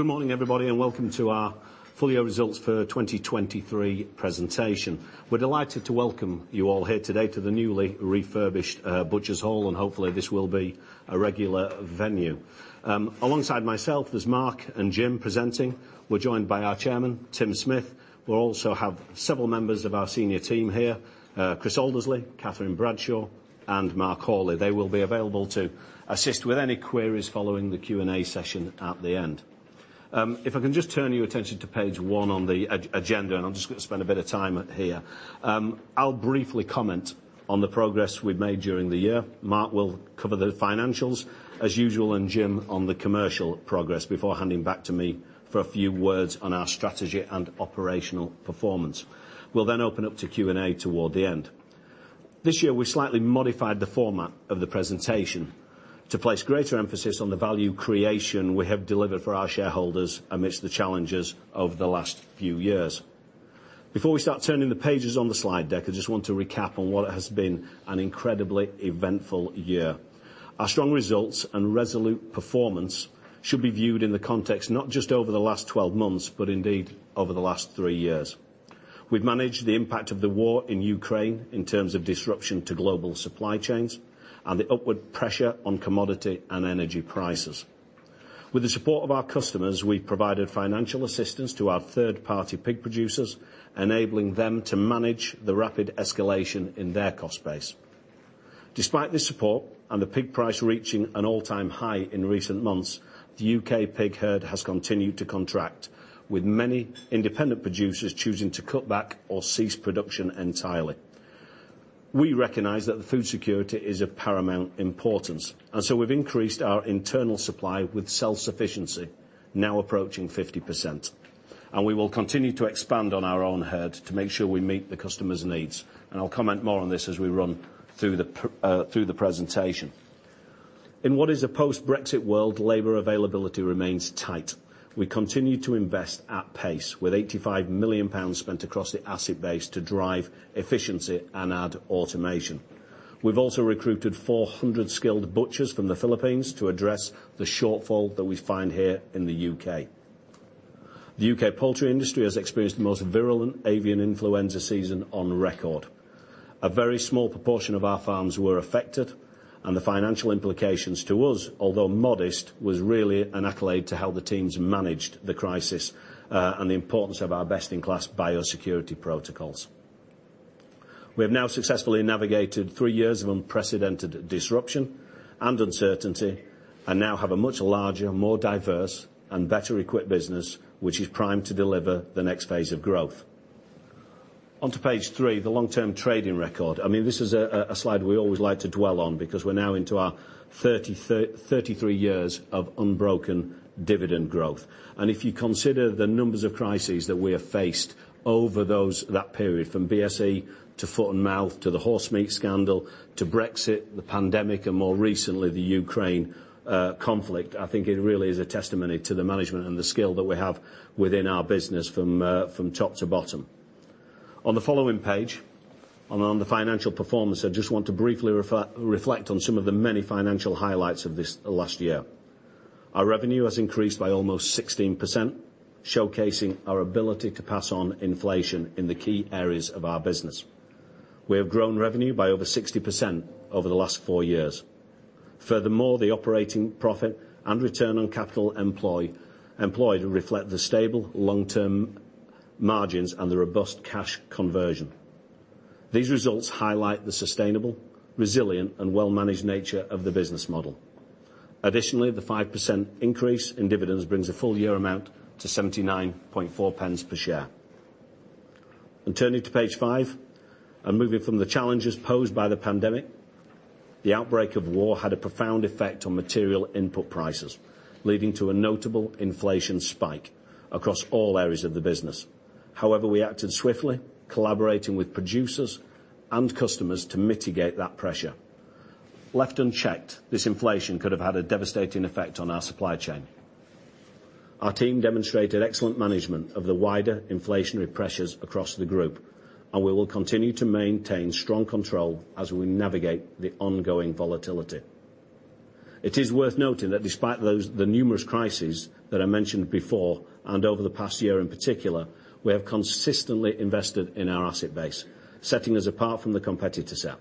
Good morning, everybody. Welcome to our full year results for 2023 presentation. We're delighted to welcome you all here today to the newly refurbished Butchers' Hall. Hopefully this will be a regular venue. Alongside myself is Mark and Jim presenting. We're joined by our Chairman, Tim Smith. We'll also have several members of our senior team here, Chris Aldersley, Catherine Bradshaw, and Mark Hawley. They will be available to assist with any queries following the Q&A session at the end. If I can just turn your attention to page one on the agenda. I'm just going to spend a bit of time here. I'll briefly comment on the progress we've made during the year. Mark will cover the financials as usual. Jim on the commercial progress before handing back to me for a few words on our strategy and operational performance. We'll then open up to Q&A toward the end. This year, we slightly modified the format of the presentation to place greater emphasis on the value creation we have delivered for our shareholders amidst the challenges over the last few years. Before we start turning the pages on the slide deck, I just want to recap on what has been an incredibly eventful year. Our strong results and resolute performance should be viewed in the context not just over the last 12 months, but indeed over the last three years. We've managed the impact of the war in Ukraine in terms of disruption to global supply chains and the upward pressure on commodity and energy prices. With the support of our customers, we provided financial assistance to our third-party pig producers, enabling them to manage the rapid escalation in their cost base. Despite this support and the pig price reaching an all-time high in recent months, the U.K. pig herd has continued to contract, with many independent producers choosing to cut back or cease production entirely. We recognize that food security is of paramount importance. So we've increased our internal supply with self-sufficiency now approaching 50%. We will continue to expand on our own herd to make sure we meet the customers' needs. I'll comment more on this as we run through the presentation. In what is a post-Brexit world, labor availability remains tight. We continue to invest at pace with 85 million pounds spent across the asset base to drive efficiency and add automation. We've also recruited 400 skilled butchers from the Philippines to address the shortfall that we find here in the U.K. The UK poultry industry has experienced the most virulent avian influenza season on record. A very small proportion of our farms were affected, the financial implications to us, although modest, was really an accolade to how the teams managed the crisis, and the importance of our best-in-class biosecurity protocols. We have now successfully navigated three years of unprecedented disruption and uncertainty, now have a much larger, more diverse and better-equipped business, which is primed to deliver the next phase of growth. On to page three, the long-term trading record. I mean, this is a slide we always like to dwell on because we're now into our 33 years of unbroken dividend growth. If you consider the numbers of crises that we have faced over those, that period from BSE to foot and mouth to the horsemeat scandal to Brexit, the pandemic, and more recently, the Ukraine conflict, I think it really is a testimony to the management and the skill that we have within our business from top to bottom. On the following page and on the financial performance, I just want to briefly reflect on some of the many financial highlights of this last year. Our revenue has increased by almost 16%, showcasing our ability to pass on inflation in the key areas of our business. We have grown revenue by over 60% over the last four years. The operating profit and return on capital employed reflect the stable long-term margins and the robust cash conversion. These results highlight the sustainable, resilient, and well-managed nature of the business model. Additionally, the 5% increase in dividends brings the full year amount to 0.794 per share. Turning to page five, and moving from the challenges posed by the pandemic, the outbreak of war had a profound effect on material input prices, leading to a notable inflation spike across all areas of the business. However, we acted swiftly, collaborating with producers and customers to mitigate that pressure. Left unchecked, this inflation could have had a devastating effect on our supply chain. Our team demonstrated excellent management of the wider inflationary pressures across the group, we will continue to maintain strong control as we navigate the ongoing volatility. It is worth noting that despite those, the numerous crises that I mentioned before, over the past year in particular, we have consistently invested in our asset base, setting us apart from the competitor set.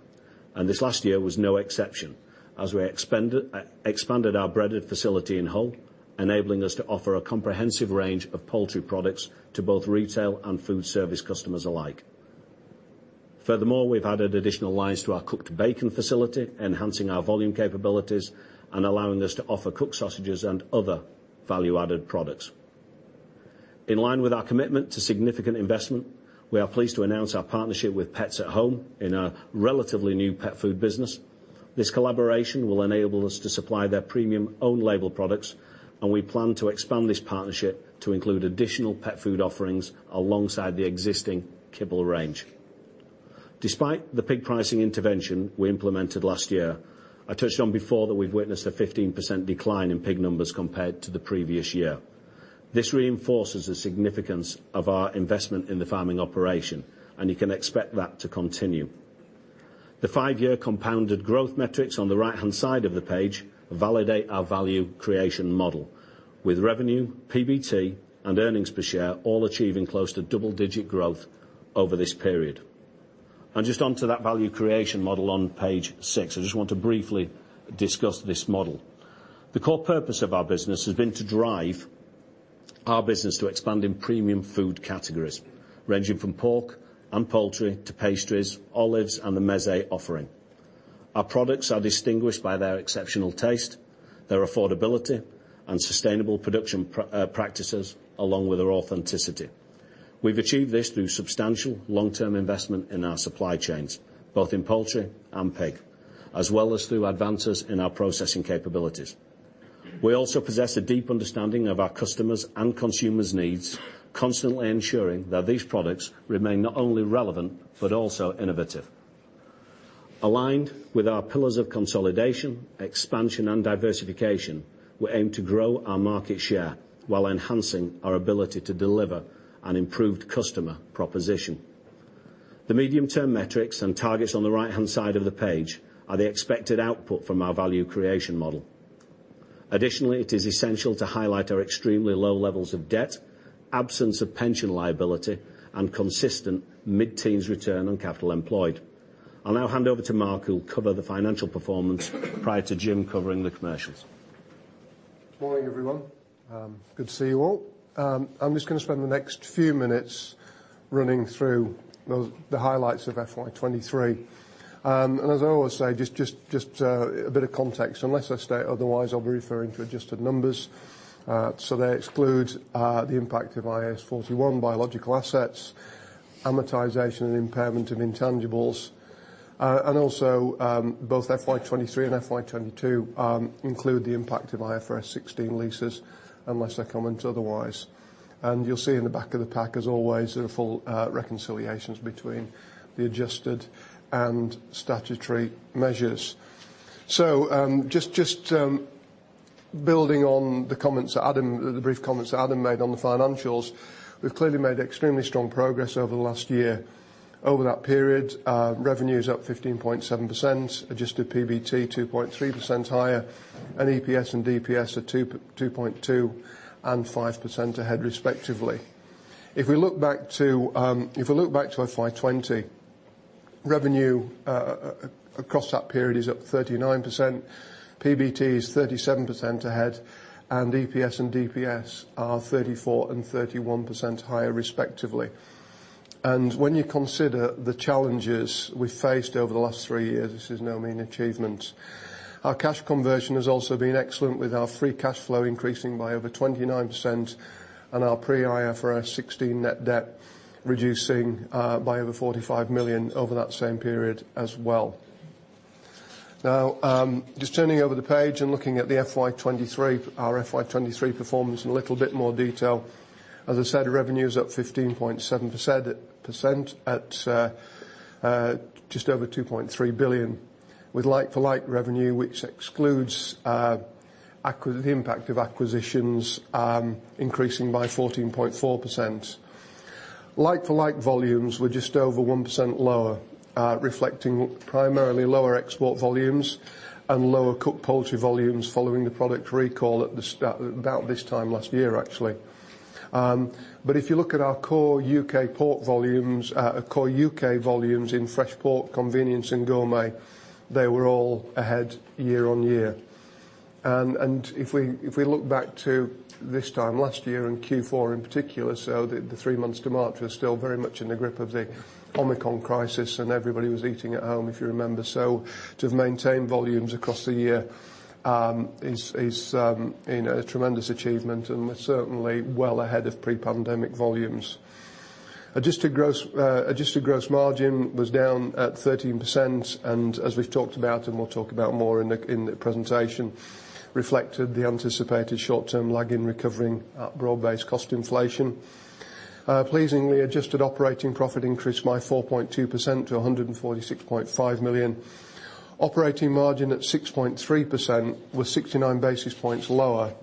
This last year was no exception as we expanded our breaded facility in Hull, enabling us to offer a comprehensive range of poultry products to both retail and food service customers alike. Furthermore, we've added additional lines to our cooked bacon facility, enhancing our volume capabilities and allowing us to offer cooked sausages and other value-added products. In line with our commitment to significant investment, we are pleased to announce our partnership with Pets at Home in our relatively new pet food business. This collaboration will enable us to supply their premium own label products. We plan to expand this partnership to include additional pet food offerings alongside the existing kibble range. Despite the pig pricing intervention we implemented last year, I touched on before that we've witnessed a 15% decline in pig numbers compared to the previous year. This reinforces the significance of our investment in the farming operation. You can expect that to continue. The five-year compounded growth metrics on the right-hand side of the page validate our value creation model, with revenue, PBT, and earnings per share all achieving close to double-digit growth over this period. Just onto that value creation model on page six, I just want to briefly discuss this model. The core purpose of our business has been to drive our business to expand in premium food categories, ranging from pork and poultry to pastries, olives, and the mezze offering. Our products are distinguished by their exceptional taste, their affordability, and sustainable production practices along with their authenticity. We've achieved this through substantial long-term investment in our supply chains, both in poultry and pig, as well as through advances in our processing capabilities. We also possess a deep understanding of our customers' and consumers' needs, constantly ensuring that these products remain not only relevant, but also innovative. Aligned with our pillars of consolidation, expansion, and diversification, we aim to grow our market share while enhancing our ability to deliver an improved customer proposition. The medium-term metrics and targets on the right-hand side of the page are the expected output from our value creation model. Additionally, it is essential to highlight our extremely low levels of debt, absence of pension liability, and consistent mid-teens return on capital employed. I'll now hand over to Mark, who'll cover the financial performance prior to Jim covering the commercials. Good morning, everyone. Good to see you all. I'm just gonna spend the next few minutes running through the highlights of FY23. As I always say, just a bit of context. Unless I state otherwise, I'll be referring to adjusted numbers. They exclude the impact of IAS 41 biological assets, amortization and impairment of intangibles. Also, both FY23 and FY22, include the impact of IFRS 16 leases unless I comment otherwise. You'll see in the back of the pack, as always, the full reconciliations between the adjusted and statutory measures. Just building on the comments that Adam, the brief comments that Adam made on the financials, we've clearly made extremely strong progress over the last year. Over that period, revenue's up 15.7%. Adjusted PBT, 2.3% higher. EPS and DPS are 2.2 and 5% ahead respectively. If we look back to FY 2020, revenue across that period is up 39%. PBT is 37% ahead. EPS and DPS are 34% and 31% higher respectively. When you consider the challenges we faced over the last three years, this is no mean achievement. Our cash conversion has also been excellent with our free cash flow increasing by over 29% and our pre-IFRS 16 net debt reducing by over 45 million over that same period as well. Now, just turning over the page and looking at the FY23, our FY23 performance in a little bit more detail. As I said, revenue is up 15.7% at just over 2.3 billion, with like-for-like revenue, which excludes the impact of acquisitions, increasing by 14.4%. Like-for-like volumes were just over 1% lower, reflecting primarily lower export volumes and lower cooked poultry volumes following the product recall at this about this time last year actually. If you look at our core UK pork volumes, core UK volumes in fresh pork, convenience, and gourmet, they were all ahead year-on-year. If we look back to this time last year in Q4 in particular, so the three months to March, we're still very much in the grip of the Omicron crisis, and everybody was eating at home, if you remember. To have maintained volumes across the year, you know, a tremendous achievement, and we're certainly well ahead of pre-pandemic volumes. Adjusted gross margin was down at 13% and as we've talked about and we'll talk about more in the, in the presentation, reflected the anticipated short-term lag in recovering broad-based cost inflation. Pleasingly, adjusted operating profit increased by 4.2% to 146.5 million. Operating margin at 6.3% was 69 basis points lower.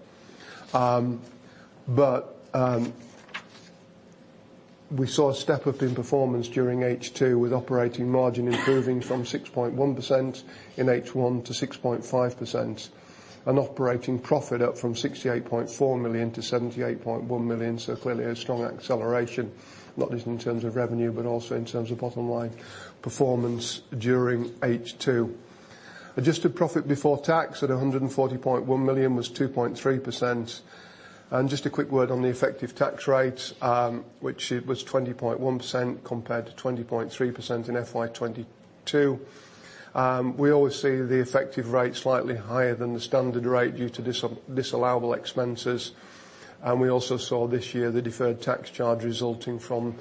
We saw a step-up in performance during H2 with operating margin improving from 6.1% in H1 to 6.5%. Operating profit up from 68.4 million to 78.1 million, clearly a strong acceleration, not just in terms of revenue, but also in terms of bottom line performance during H2. Adjusted profit before tax at 140.1 million was 2.3%. Just a quick word on the effective tax rate, which it was 20.1% compared to 20.3% in FY 2022. We always see the effective rate slightly higher than the standard rate due to disallowable expenses. We also saw this year the deferred tax charge resulting from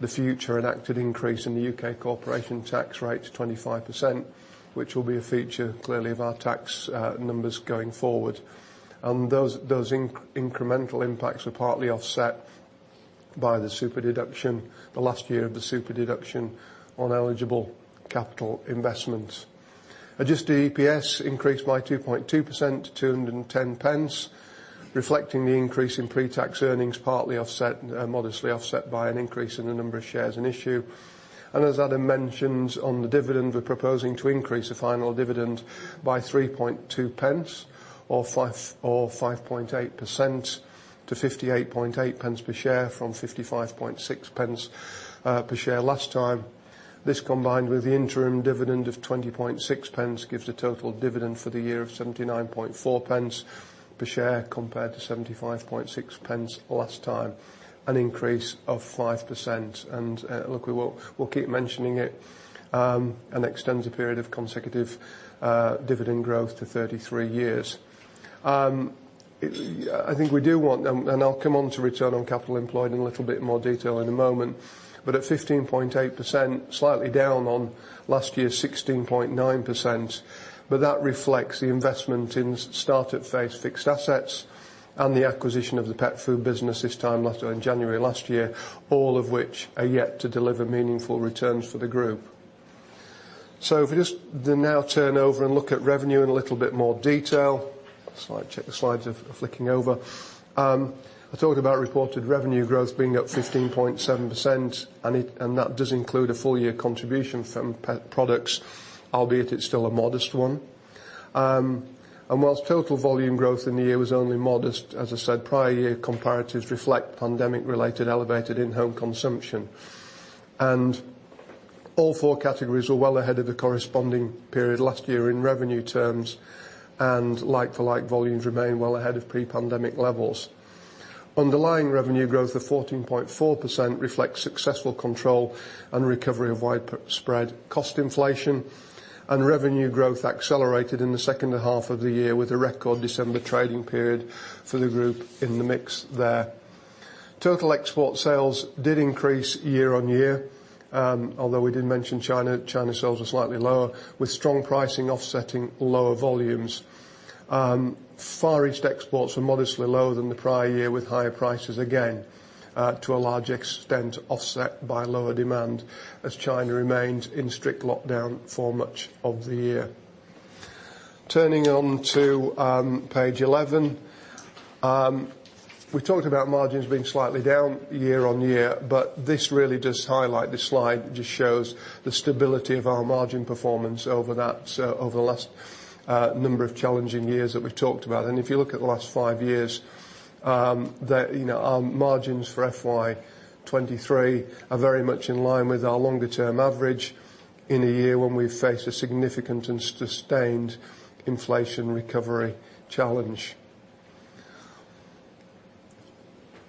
the future enacted increase in the U.K. corporation tax rate to 25%, which will be a feature clearly of our tax numbers going forward. Those incremental impacts are partly offset by the Super-deduction, the last year of the Super-deduction on eligible capital investments. Adjusted EPS increased by 2.2% to 2.10, reflecting the increase in pre-tax earnings, partly offset, modestly offset by an increase in the number of shares in issue. As Adam mentioned, on the dividend, we're proposing to increase the final dividend by 0.032 or 5.8% to 0.588 per share from 0.556 per share last time. This combined with the interim dividend of 0.206, gives a total dividend for the year of 0.794 per share, compared to 0.756 last time, an increase of 5%. Look, we will, we'll keep mentioning it, an extensive period of consecutive dividend growth to 33 years. I think we do want, and I'll come on to return on capital employed in a little bit more detail in a moment. At 15.8%, slightly down on last year's 16.9%. That reflects the investment in startup phase fixed assets and the acquisition of the pet food business in January last year, all of which are yet to deliver meaningful returns for the group. If we just then now turn over and look at revenue in a little bit more detail. Slide. Check the slides are flicking over. I talked about reported revenue growth being up 15.7%, that does include a full year contribution from pet products, albeit it's still a modest one. Whilst total volume growth in the year was only modest, as I said, prior year comparatives reflect pandemic-related elevated in-home consumption. All four categories were well ahead of the corresponding period last year in revenue terms, like-for-like volumes remain well ahead of pre-pandemic levels. Underlying revenue growth of 14.4% reflects successful control and recovery of widespread cost inflation. Revenue growth accelerated in the second half of the year with a record December trading period for the group in the mix there. Total export sales did increase year-on-year, although we did mention China. China sales were slightly lower, with strong pricing offsetting lower volumes. Far East exports were modestly lower than the prior year with higher prices again, to a large extent, offset by lower demand as China remained in strict lockdown for much of the year. Turning on to page 11. We talked about margins being slightly down year-on-year, this slide just shows the stability of our margin performance over that, over the last number of challenging years that we've talked about. If you look at the last five years, the, you know, our margins for FY 2023 are very much in line with our longer-term average in a year when we face a significant and sustained inflation recovery challenge.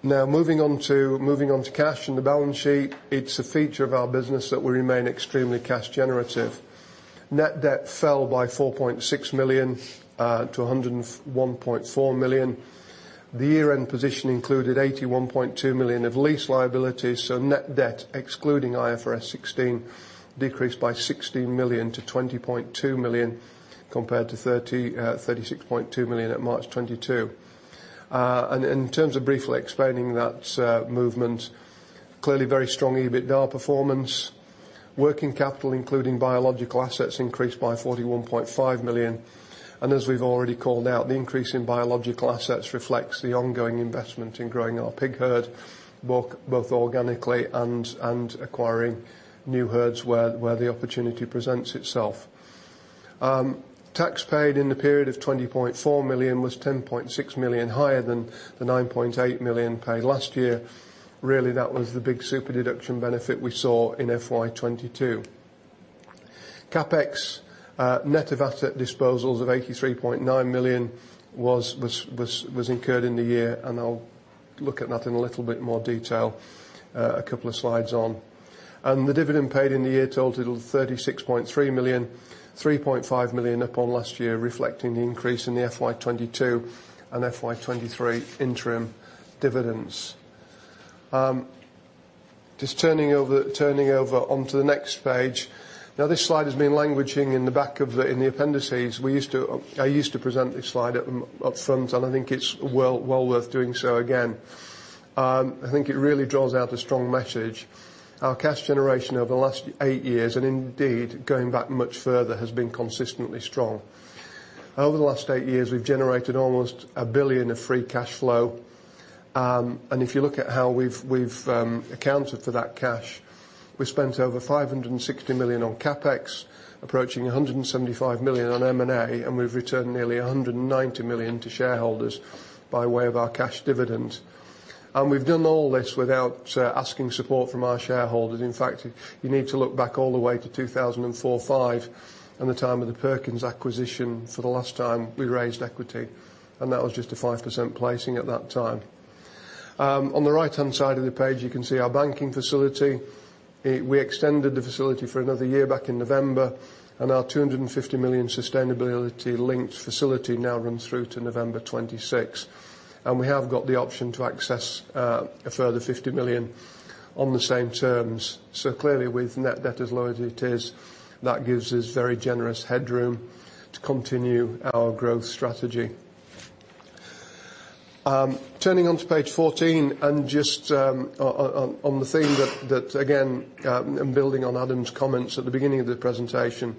Now, moving on to cash and the balance sheet. It's a feature of our business that we remain extremely cash generative. Net debt fell by 4.6 million to 101.4 million. The year-end position included 81.2 million of lease liabilities. Net debt, excluding IFRS 16, decreased by 60 million to 20.2 million, compared to 36.2 million at March 2022. In terms of briefly explaining that movement, clearly very strong EBITDA performance. Working capital, including biological assets, increased by 41.5 million. As we've already called out, the increase in biological assets reflects the ongoing investment in growing our pig herd, both organically and acquiring new herds where the opportunity presents itself. Tax paid in the period of 20.4 million was 10.6 million higher than the 9.8 million paid last year. Really, that was the big super deduction benefit we saw in FY 2022. CapEx, net of asset disposals of 83.9 million was incurred in the year, I'll look at that in a little bit more detail a couple of slides on. The dividend paid in the year totaled 36.3 million, 3.5 million upon last year, reflecting the increase in the FY 2022 and FY 2023 interim dividends. Just turning over onto the next page. This slide has been languishing in the back of the appendices. I used to present this slide at up front, I think it's well worth doing so again. I think it really draws out a strong message. Our cash generation over the last eight years, and indeed going back much further, has been consistently strong. Over the last eight years, we've generated almost 1 billion of free cash flow. If you look at how we've accounted for that cash, we spent over 560 million on CapEx, approaching 175 million on M&A, and we've returned nearly 190 million to shareholders by way of our cash dividend. We've done all this without asking support from our shareholders. In fact, you need to look back all the way to 2004, 2005 and the time of the Perkins acquisition for the last time we raised equity, and that was just a 5% placing at that time. On the right-hand side of the page, you can see our banking facility. We extended the facility for another year back in November, Our 250 million sustainability-linked facility now runs through to November 2026. We have got the option to access a further 50 million on the same terms. Clearly, with net debt as low as it is, that gives us very generous headroom to continue our growth strategy. Turning on to page 14, and just on the theme that again, building on Adam's comments at the beginning of the presentation.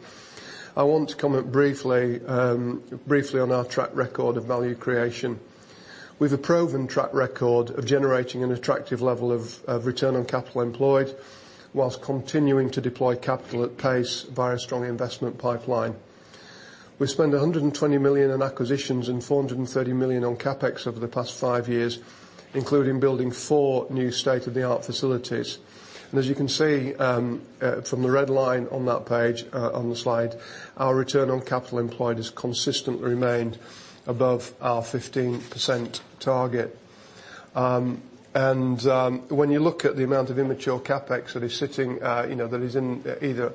I want to comment briefly on our track record of value creation. We've a proven track record of generating an attractive level of return on capital employed, whilst continuing to deploy capital at pace by our strong investment pipeline. We spent 120 million in acquisitions and 430 million on CapEx over the past five years, including building four new state-of-the-art facilities. As you can see, from the red line on that page, on the slide, our return on capital employed has consistently remained above our 15% target. And when you look at the amount of immature CapEx that is sitting, you know, that is in, either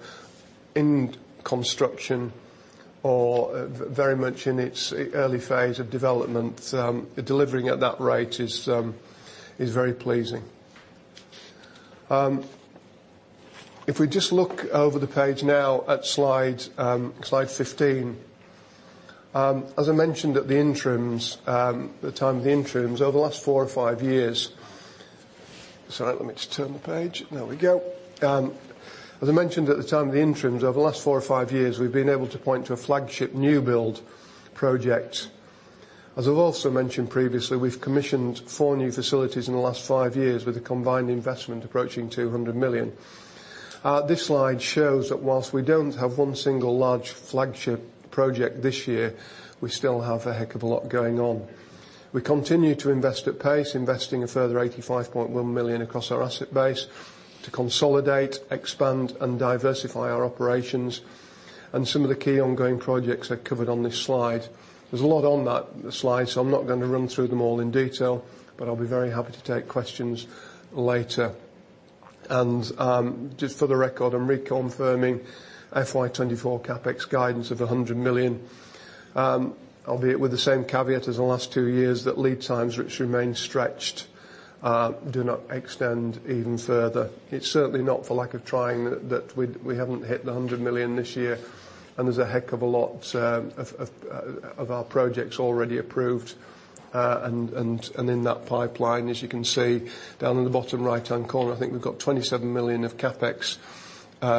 in construction or very much in its early phase of development, delivering at that rate is very pleasing. If we just look over the page now at slide 15. As I mentioned at the interims, at the time of the interims, over the last four or five years. Sorry, let me just turn the page. There we go. As I mentioned at the time of the interims, over the last four or five years, we've been able to point to a flagship new build project. As I've also mentioned previously, we've commissioned four new facilities in the last five years with a combined investment approaching 200 million. This slide shows that whilst we don't have one single large flagship project this year, we still have a heck of a lot going on. We continue to invest at pace, investing a further 85.1 million across our asset base to consolidate, expand, and diversify our operations. Some of the key ongoing projects are covered on this slide. There's a lot on that slide. I'm not gonna run through them all in detail, but I'll be very happy to take questions later. Just for the record, I'm reconfirming FY 2024 CapEx guidance of 100 million, albeit with the same caveat as the last two years, that lead times, which remain stretched, do not extend even further. It's certainly not for lack of trying that we haven't hit the 100 million this year, and there's a heck of a lot of our projects already approved and in that pipeline. As you can see down in the bottom right-hand corner, I think we've got 27 million of CapEx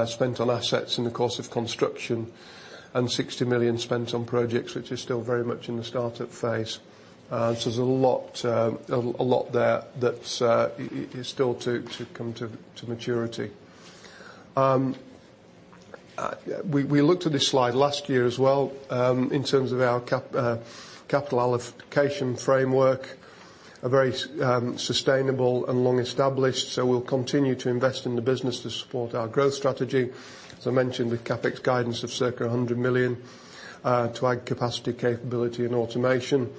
spent on assets in the course of construction and 60 million spent on projects which are still very much in the start-up phase. So there's a lot there that is still to come to maturity. We looked at this slide last year as well, in terms of our capital allocation framework, a very sustainable and long-established. We'll continue to invest in the business to support our growth strategy. As I mentioned, the CapEx guidance of circa 100 million to add capacity, capability and automation.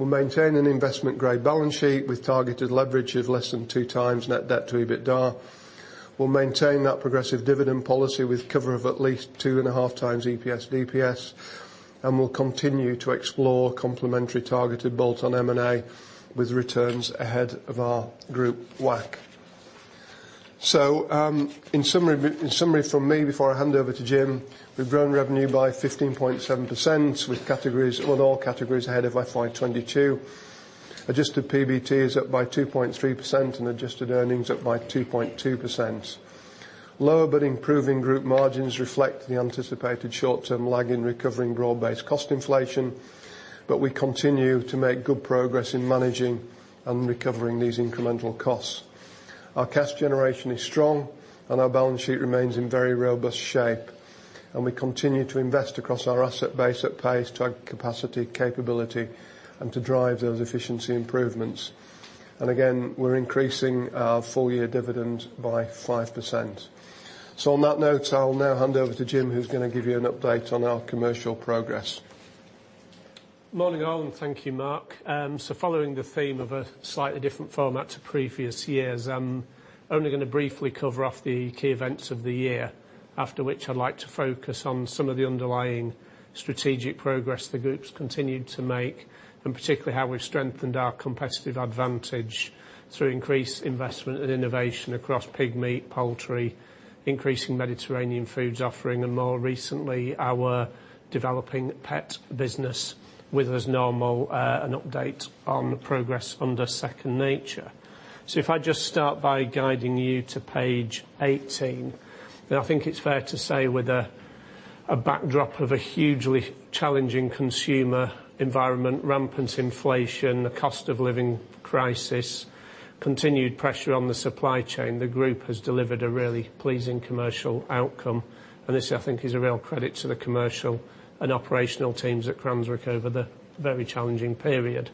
We'll maintain an investment-grade balance sheet with targeted leverage of less than 2x net debt to EBITDA. We'll maintain that progressive dividend policy with cover of at least 2.5x EPS DPS. We'll continue to explore complementary targeted bolt-on M&A with returns ahead of our group WACC. In summary, in summary from me, before I hand over to Jim, we've grown revenue by 15.7% with all categories ahead of FY 2022. Adjusted PBT is up by 2.3% and adjusted earnings up by 2.2%. Lower but improving group margins reflect the anticipated short-term lag in recovering raw base cost inflation, but we continue to make good progress in managing and recovering these incremental costs. Our cash generation is strong, and our balance sheet remains in very robust shape. We continue to invest across our asset base at pace to add capacity, capability, and to drive those efficiency improvements. Again, we're increasing our full-year dividend by 5%. On that note, I'll now hand over to Jim, who's gonna give you an update on our commercial progress. Morning, all. Thank you, Mark. Following the theme of a slightly different format to previous years, I'm only gonna briefly cover off the key events of the year, after which I'd like to focus on some of the underlying strategic progress the group's continued to make, and particularly how we've strengthened our competitive advantage through increased investment and innovation across pig meat, poultry, increasing Mediterranean Foods offering, and more recently, our developing pet business, with, as normal, an update on the progress under Second Nature. If I just start by guiding you to page 18. I think it's fair to say with a backdrop of a hugely challenging consumer environment, rampant inflation, the cost of living crisis, continued pressure on the supply chain, the group has delivered a really pleasing commercial outcome. This, I think, is a real credit to the commercial and operational teams at Cranswick over the very challenging period.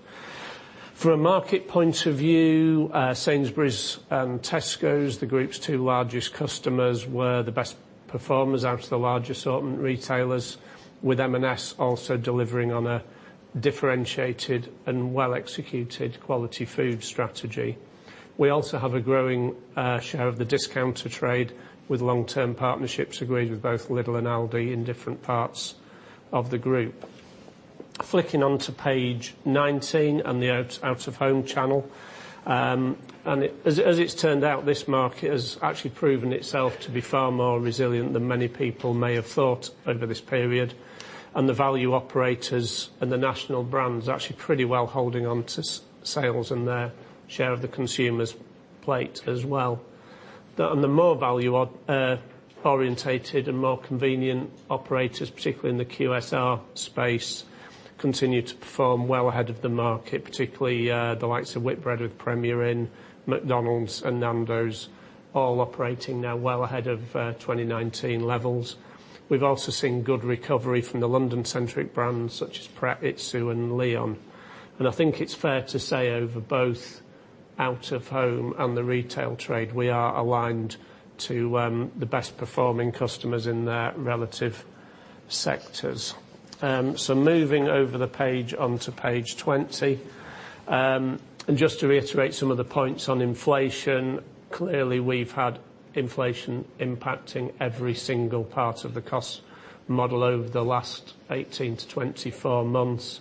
From a market point of view, Sainsbury's and Tesco, the group's two largest customers, were the best performers out of the large assortment retailers, with M&S also delivering on a differentiated and well-executed quality food strategy. We also have a growing share of the discounter trade with long-term partnerships agreed with both Lidl and Aldi in different parts of the group. Flicking onto page 19 and the out of home channel. As it's turned out, this market has actually proven itself to be far more resilient than many people may have thought over this period, and the value operators and the national brands actually pretty well holding on to sales and their share of the consumers' plate as well. The more value orientated and more convenient operators, particularly in the QSR space, continue to perform well ahead of the market, particularly the likes of Whitbread with Premier Inn, McDonald's and Nando's all operating now well ahead of 2019 levels. We've also seen good recovery from the London-centric brands such as Pret, itsu and LEON. I think it's fair to say over both out-of-home and the retail trade, we are aligned to the best performing customers in their relative sectors. Moving over the page onto page 20. Just to reiterate some of the points on inflation, clearly we've had inflation impacting every single part of the cost model over the last 18-24 months,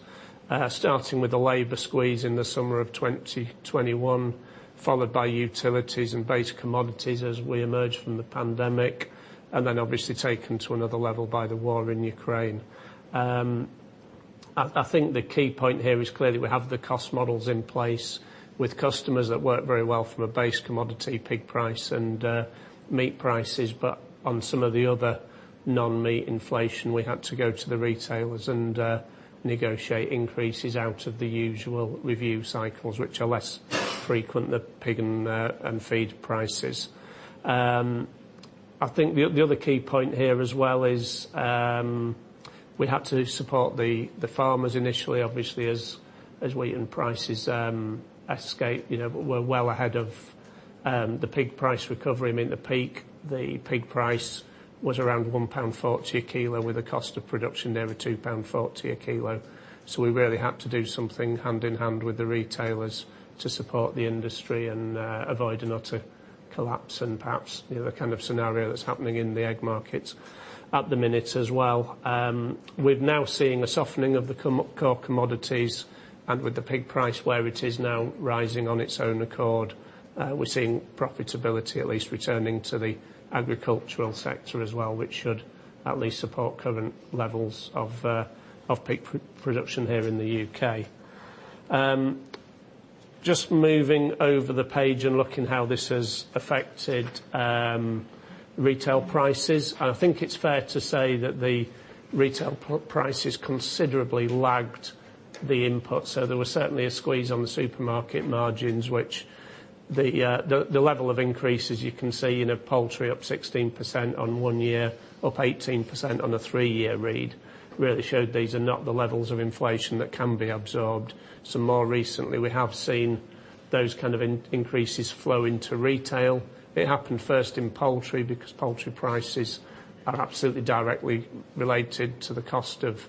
starting with the labor squeeze in the summer of 2021, followed by utilities and basic commodities as we emerged from the pandemic, then obviously taken to another level by the war in Ukraine. I think the key point here is clearly we have the cost models in place with customers that work very well from a base commodity, pig price and meat prices. On some of the other non-meat inflation, we had to go to the retailers and negotiate increases out of the usual review cycles, which are less frequent than pig and feed prices. I think the other key point here as well is, we had to support the farmers initially, obviously as wheat and prices were well ahead of the pig price recovery. The pig price was around 1.40 pound a kilo, with the cost of production near a 2.40 a kilo. We really had to do something hand-in-hand with the retailers to support the industry and avoid an utter collapse and perhaps the other kind of scenario that's happening in the egg markets at the minute as well. We're now seeing a softening of core commodities and with the pig price where it is now rising on its own accord, we're seeing profitability at least returning to the agricultural sector as well, which should at least support current levels of pig production here in the U.K. Just moving over the page and looking how this has affected retail prices, and I think it's fair to say that the retail price has considerably lagged the input. There was certainly a squeeze on the supermarket margins, which the level of increases you can see in a poultry up 16% on one year, up 18% on a three-year read, really showed these are not the levels of inflation that can be absorbed. More recently, we have seen those kind of increases flow into retail. It happened first in poultry because poultry prices are absolutely directly related to the cost of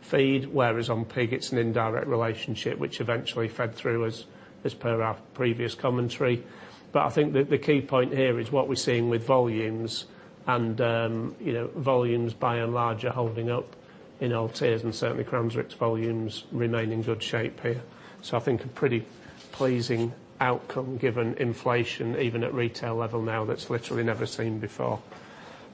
feed, whereas on pig it's an indirect relationship which eventually fed through as per our previous commentary. I think the key point here is what we're seeing with volumes and, you know, volumes by and large are holding up in all this and certainly Cranswick's volumes remain in good shape here. I think a pretty pleasing outcome given inflation even at retail level now that's literally never seen before.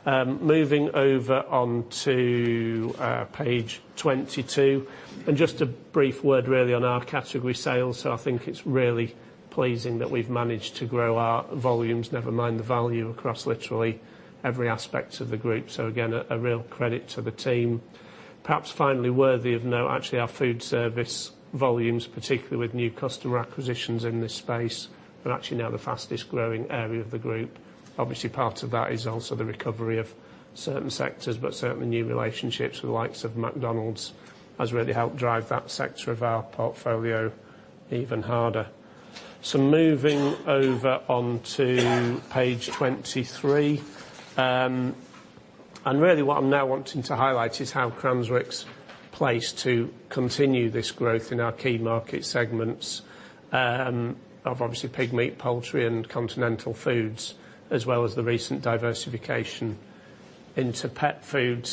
Moving over onto page 22. Just a brief word really on our category sales. I think it's really pleasing that we've managed to grow our volumes, never mind the value, across literally every aspect of the group. Again, a real credit to the team. Perhaps finally worthy of note, actually, our food service volumes, particularly with new customer acquisitions in this space, are actually now the fastest growing area of the group. Obviously, part of that is also the recovery of certain sectors, but certainly new relationships with the likes of McDonald's has really helped drive that sector of our portfolio even harder. Moving over onto page 23. Really what I'm now wanting to highlight is how Cranswick's place to continue this growth in our key market segments, of obviously pig meat, poultry and continental foods, as well as the recent diversification into pet food.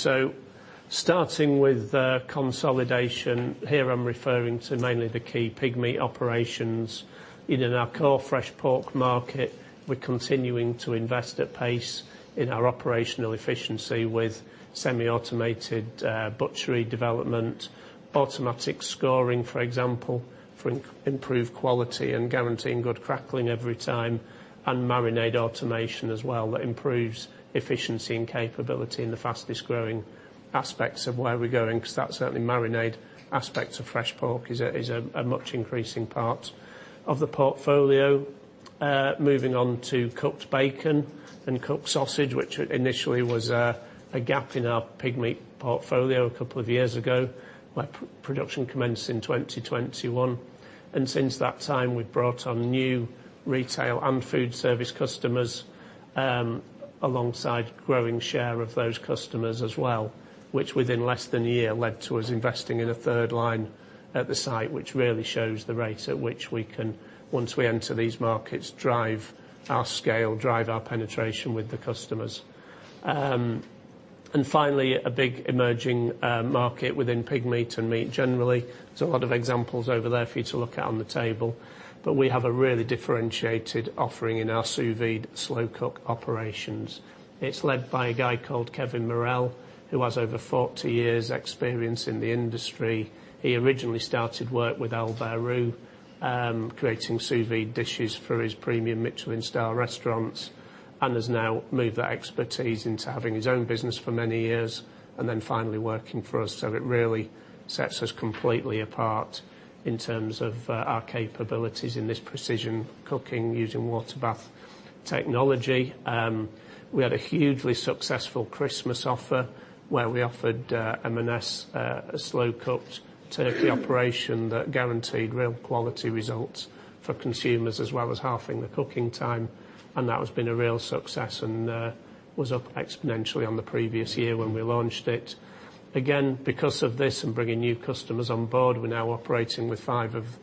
Starting with the consolidation, here I'm referring to mainly the key pig meat operations. Our core fresh pork market, we're continuing to invest at pace in our operational efficiency with semi-automated butchery development, automatic scoring, for example, for improved quality and guaranteeing good crackling every time, and marinade automation as well that improves efficiency and capability in the fastest-growing aspects of where we're going, because that certainly marinade aspect of fresh pork is a much increasing part of the portfolio. Moving on to cooked bacon and cooked sausage, which initially was a gap in our pig meat portfolio two years ago, where production commenced in 2021. Since that time, we've brought on new retail and food service customers, alongside growing share of those customers as well, which within less than a year led to us investing in a third line at the site, which really shows the rate at which we can, once we enter these markets, drive our scale, drive our penetration with the customers. Finally, a big emerging market within pig meat and meat generally. There's a lot of examples over there for you to look at on the table, but we have a really differentiated offering in our sous vide slow cook operations. It's led by a guy called Kevin Morel, who has over 40 years experience in the industry. He originally started work with Albert Roux, creating sous vide dishes for his premium Michelin-star restaurants. He has now moved that expertise into having his own business for many years, and then finally working for us. It really sets us completely apart in terms of our capabilities in this precision cooking using water bath technology. We had a hugely successful Christmas offer, where we offered M&S a slow-cooked turkey operation that guaranteed real quality results for consumers, as well as halving the cooking time. That has been a real success, and was up exponentially on the previous year when we launched it. Again, because of this and bringing new customers on board, we're now operating with five of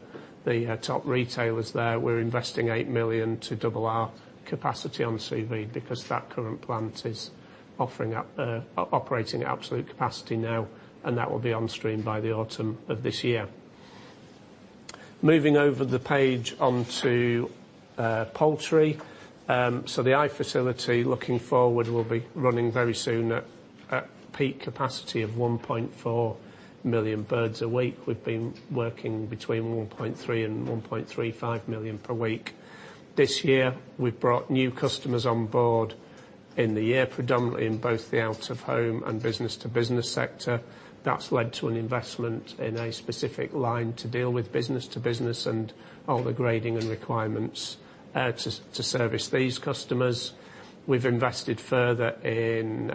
the top retailers there. We're investing 8 million to double our capacity on sous vide, because that current plant is operating at absolute capacity now, and that will be on stream by the autumn of this year. Moving over the page onto poultry. The Eye facility, looking forward, will be running very soon at peak capacity of 1.4 million birds a week. We've been working between 1.3 million and 1.35 million per week. This year, we've brought new customers on board in the year, predominantly in both the out-of-home and business-to-business sector. That's led to an investment in a specific line to deal with business-to-business and all the grading and requirements to service these customers. We've invested further in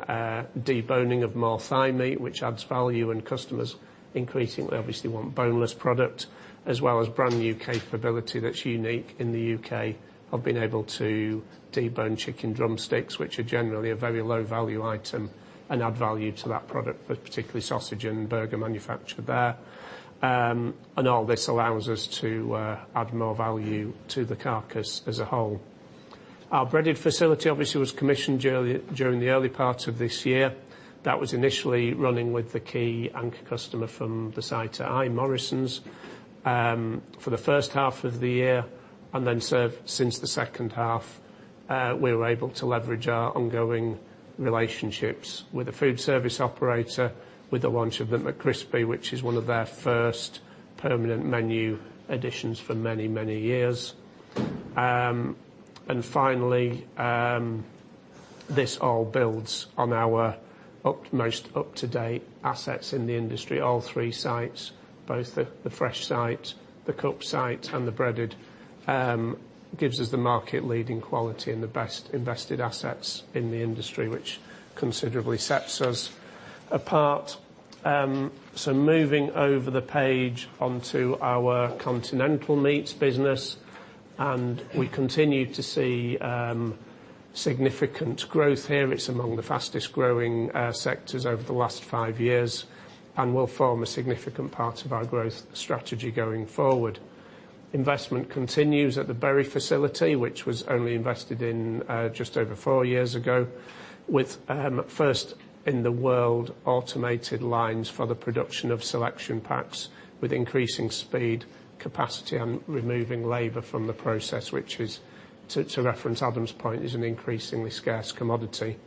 deboning of more thigh meat, which adds value, and customers increasingly obviously want boneless product, as well as brand-new capability that's unique in the U.K. of being able to debone chicken drumsticks, which are generally a very low-value item, and add value to that product for particularly sausage and burger manufacture there. All this allows us to add more value to the carcass as a whole. Our breaded facility obviously was commissioned during the early part of this year. That was initially running with the key anchor customer from the site at Eye, Morrisons, for the first half of the year. Serve since the second half, we were able to leverage our ongoing relationships with a food service operator, with the launch of the McCrispy, which is one of their first permanent menu additions for many, many years. Finally, this all builds on our most up-to-date assets in the industry. All three sites, both the fresh site, the cooked site, and the breaded, gives us the market-leading quality and the best invested assets in the industry, which considerably sets us apart. Moving over the page onto our continental meats business, we continue to see significant growth here. It's among the fastest growing sectors over the last five years and will form a significant part of our growth strategy going forward. Investment continues at the Bury facility, which was only invested in just over four years ago, with first-in-the-world automated lines for the production of selection packs with increasing speed, capacity, and removing labor from the process, which is, to reference Adam's point, is an increasingly scarce commodity.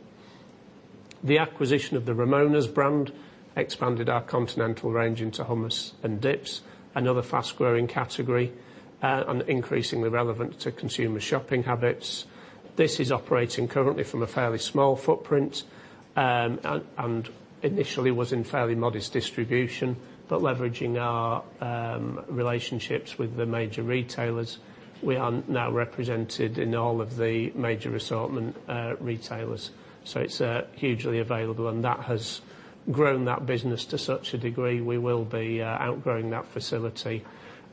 The acquisition of the Ramona's brand expanded our continental range into hummus and dips, another fast-growing category, and increasingly relevant to consumer shopping habits. This is operating currently from a fairly small footprint, and initially was in fairly modest distribution. Leveraging our relationships with the major retailers, we are now represented in all of the major assortment retailers. It's hugely available, and that has grown that business to such a degree, we will be outgrowing that facility.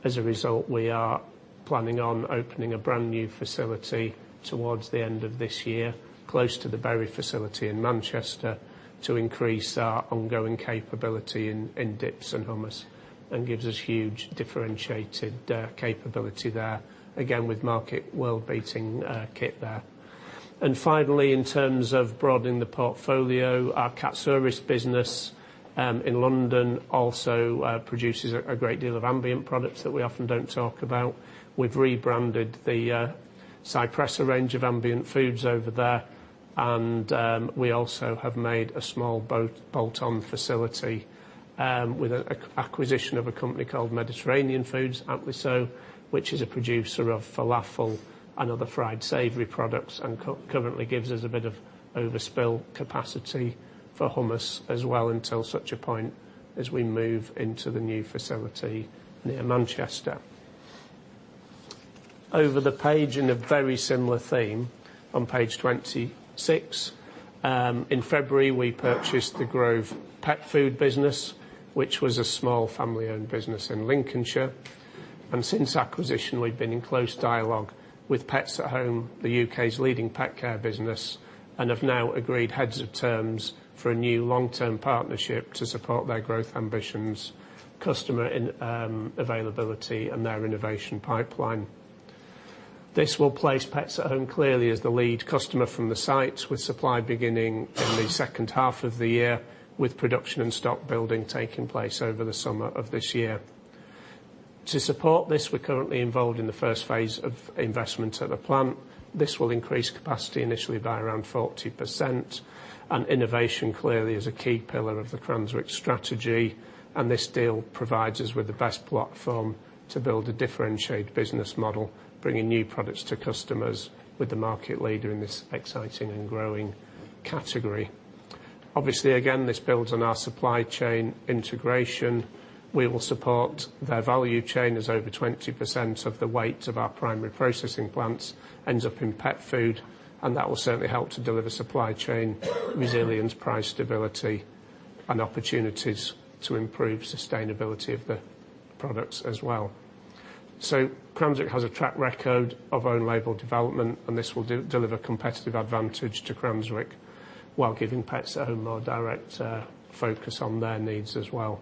As a result, we are planning on opening a brand-new facility towards the end of this year, close to the Bury facility in Manchester, to increase our ongoing capability in dips and hummus, and gives us huge differentiated capability there, again, with market world-beating kit there. Finally, in terms of broadening the portfolio, our food service business, in London also produces a great deal of ambient products that we often don't talk about. We've rebranded the Cypressa range of ambient foods over there, and we also have made a small bolt-on facility, with an acquisition of a company called Mediterranean Foods, aren't we so? Which is a producer of falafel and other fried savory products and currently gives us a bit of overspill capacity for hummus as well, until such a point as we move into the new facility near Manchester. Over the page, in a very similar theme, on page 26, in February, we purchased the Grove Pet Foods business, which was a small family-owned business in Lincolnshire. Since acquisition, we've been in close dialogue with Pets at Home, the U.K.'s leading pet care business, and have now agreed heads of terms for a new long-term partnership to support their growth ambitions, customer and availability, and their innovation pipeline. This will place Pets at Home clearly as the lead customer from the sites, with supply beginning in the second half of the year, with production and stock building taking place over the summer of this year. To support this, we're currently involved in the first phase of investment at the plant. This will increase capacity initially by around 40%. Innovation clearly is a key pillar of the Cranswick strategy, and this deal provides us with the best platform to build a differentiated business model, bringing new products to customers with the market leader in this exciting and growing category. Obviously, again, this builds on our supply chain integration. We will support their value chain as over 20% of the weight of our primary processing plants ends up in pet food, and that will certainly help to deliver supply chain resilience, price stability, and opportunities to improve sustainability of the products as well. Cranswick has a track record of own label development, and this will deliver competitive advantage to Cranswick while giving Pets at Home a more direct focus on their needs as well.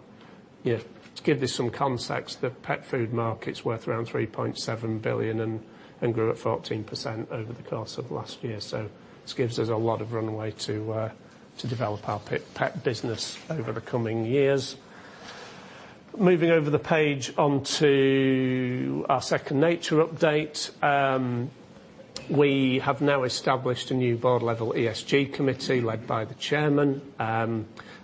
Yeah, to give this some context, the pet food market's worth around 3.7 billion and grew at 14% over the course of last year. This gives us a lot of runway to develop our pet business over the coming years. Moving over the page onto our Second Nature update. We have now established a new board-level ESG committee led by the chairman.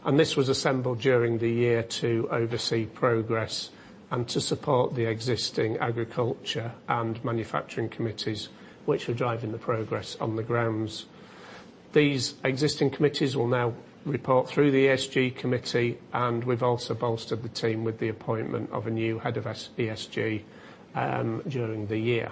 This was assembled during the year to oversee progress and to support the existing agriculture and manufacturing committees, which are driving the progress on the grounds. These existing committees will now report through the ESG committee, and we've also bolstered the team with the appointment of a new head of ESG during the year.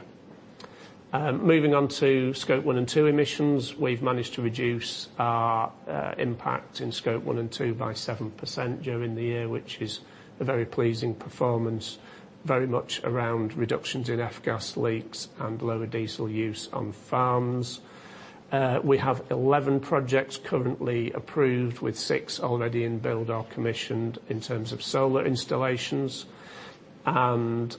Moving on to Scope 1 and 2 emissions. We've managed to reduce our impact in Scope 1 and 2 by 7% during the year, which is a very pleasing performance, very much around reductions in F-gas leaks and lower diesel use on farms. We have 11 projects currently approved, with six already in build or commissioned in terms of solar installations. One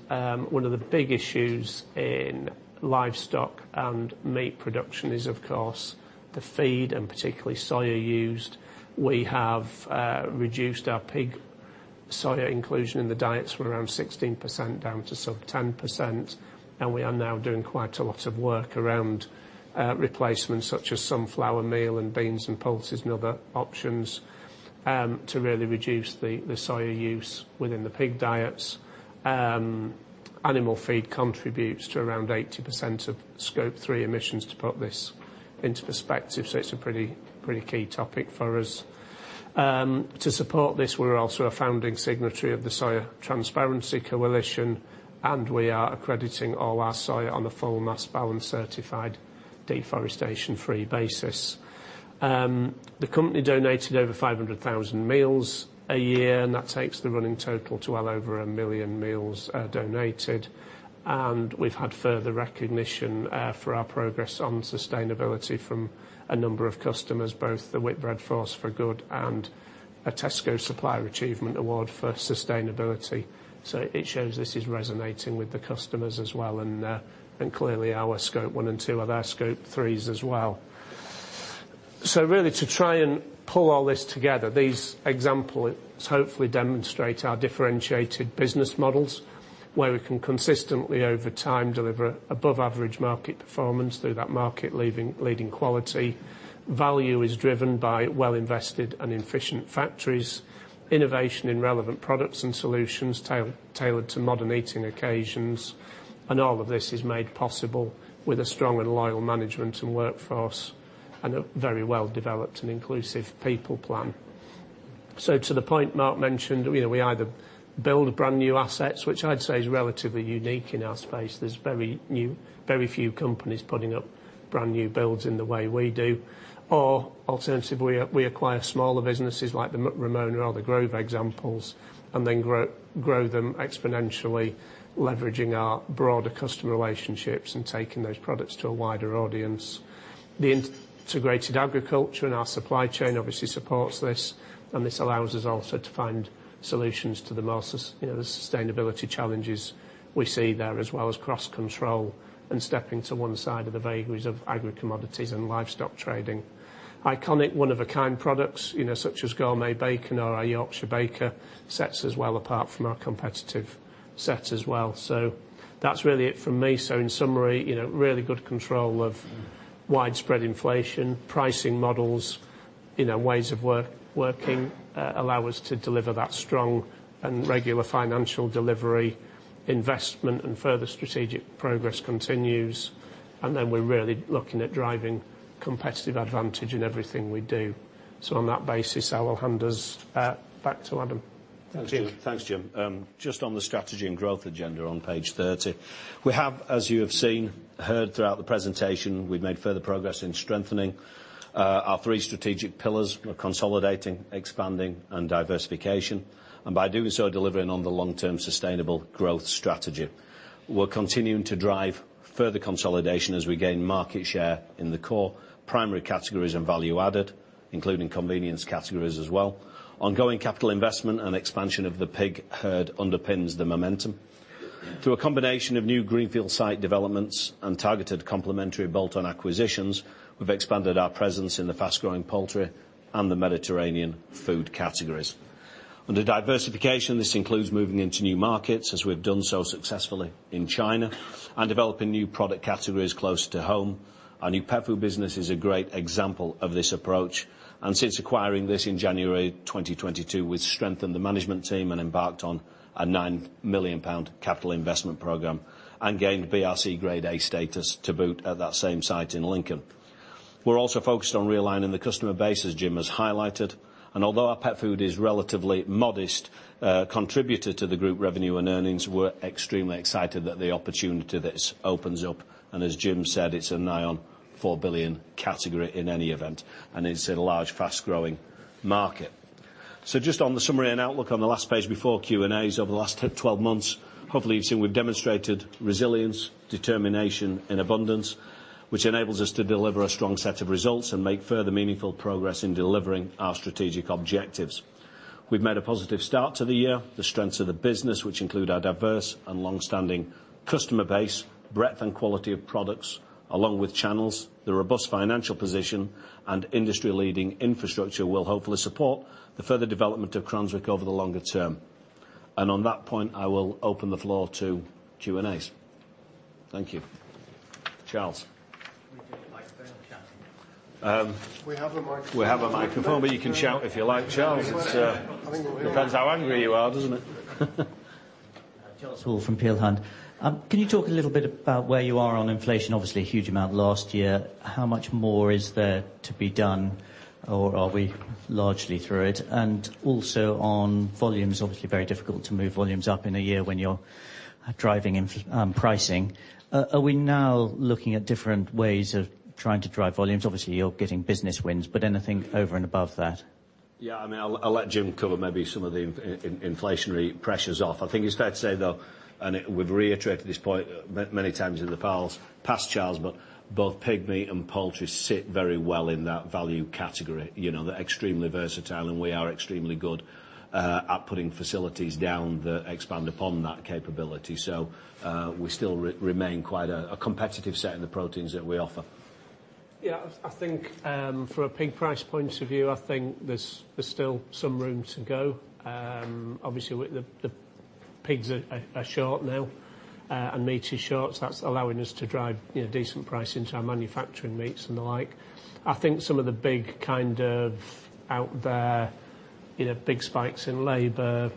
of the big issues in livestock and meat production is, of course, the feed and particularly soya used. We have reduced our pig soya inclusion in the diets from around 16% down to sub 10%, and we are now doing quite a lot of work around replacements such as sunflower meal and beans and pulses and other options to really reduce the soya use within the pig diets. Animal feed contributes to around 80% of Scope 3 emissions to put this into perspective, so it's a pretty key topic for us. To support this, we're also a founding signatory of the Soy Transparency Coalition, and we are accrediting all our soya on a full mass balance certified deforestation-free basis. The company donated over 500,000 meals a year, and that takes the running total to well over one million meals donated. We've had further recognition for our progress on sustainability from a number of customers, both the Whitbread 'Force for Good' and a Tesco Supplier Achievement Award for Sustainability. It shows this is resonating with the customers as well, and clearly our Scope 1 and 2 are their Scope 3s as well. Really to try and pull all this together, these examples hopefully demonstrate our differentiated business models, where we can consistently over time deliver above average market performance through that market-leading quality. Value is driven by well-invested and efficient factories. Innovation in relevant products and solutions tailored to modern eating occasions. All of this is made possible with a strong and loyal management and workforce and a very well-developed and inclusive people plan. To the point Mark mentioned, you know, we either build brand-new assets, which I'd say is relatively unique in our space. There's very few companies putting up brand new builds in the way we do. Alternatively, we acquire smaller businesses like the Ramona's or the Grove examples and then grow them exponentially, leveraging our broader customer relationships and taking those products to a wider audience. The integrated agriculture and our supply chain obviously supports this. This allows us also to find solutions to the most, you know, sustainability challenges we see there, as well as cross-control and stepping to one side of the vagaries of agri-commodities and livestock trading. Iconic, one-of-a-kind products, you know, such as Gourmet Bacon or our Yorkshire Baker, sets us well apart from our competitive set as well. That's really it from me. In summary, you know, really good control of widespread inflation, pricing models, you know, ways of working, allow us to deliver that strong and regular financial delivery, investment and further strategic progress continues. We're really looking at driving competitive advantage in everything we do. On that basis, I will hand us back to Adam. Thanks, Jim. Just on the strategy and growth agenda on page 30, we have, as you have seen, heard throughout the presentation, we've made further progress in strengthening our three strategic pillars. We're consolidating, expanding and diversification. By doing so, delivering on the long-term sustainable growth strategy. We're continuing to drive further consolidation as we gain market share in the core primary categories and value added, including convenience categories as well. Ongoing capital investment and expansion of the pig herd underpins the momentum. Through a combination of new greenfield site developments and targeted complementary bolt-on acquisitions, we've expanded our presence in the fast-growing poultry and the Mediterranean food categories. Under diversification, this includes moving into new markets as we've done so successfully in China and developing new product categories closer to home. Our new pet food business is a great example of this approach. Since acquiring this in January 2022, we've strengthened the management team and embarked on 9 million pound capital investment program and gained BRC Grade A status to boot at that same site in Lincoln. We're also focused on realigning the customer base, as Jim has highlighted. Although our pet food is relatively modest contributor to the group revenue and earnings, we're extremely excited at the opportunity this opens up. As Jim said, it's a nigh on 4 billion category in any event, and it's in a large, fast-growing market. Just on the summary and outlook on the last page before Q&As. Over the last 10-12 months, hopefully you've seen we've demonstrated resilience, determination in abundance, which enables us to deliver a strong set of results and make further meaningful progress in delivering our strategic objectives. We've made a positive start to the year. The strengths of the business, which include our diverse and long-standing customer base, breadth and quality of products, along with channels, the robust financial position, and industry-leading infrastructure, will hopefully support the further development of Cranswick over the longer term. On that point, I will open the floor to Q&As. Thank you. Charles. Can we get a mic then, Cathy? We have a microphone. We have a microphone, but you can shout if you like, Charles. It's, depends how angry you are, doesn't it? Charles Hall from Peel Hunt. Can you talk a little bit about where you are on inflation? Obviously, a huge amount last year. How much more is there to be done, or are we largely through it? Also on volumes, obviously very difficult to move volumes up in a year when you're driving pricing. Are we now looking at different ways of trying to drive volumes? Obviously, you're getting business wins, but anything over and above that? Yeah. I mean, I'll let Jim cover maybe some of the inflationary pressures off. I think it's fair to say, though, and we've reiterated this point many times in the past, Charles, but both pig meat and poultry sit very well in that value category. You know, they're extremely versatile, and we are extremely good at putting facilities down that expand upon that capability. We still remain quite a competitive set in the proteins that we offer. Yeah. I think, from a pig price point of view, I think there's still some room to go. Obviously with the pigs are short now, and meat is short. That's allowing us to drive, you know, decent price into our manufacturing meats and the like. I think some of the big kind of out there, you know, big spikes in labor,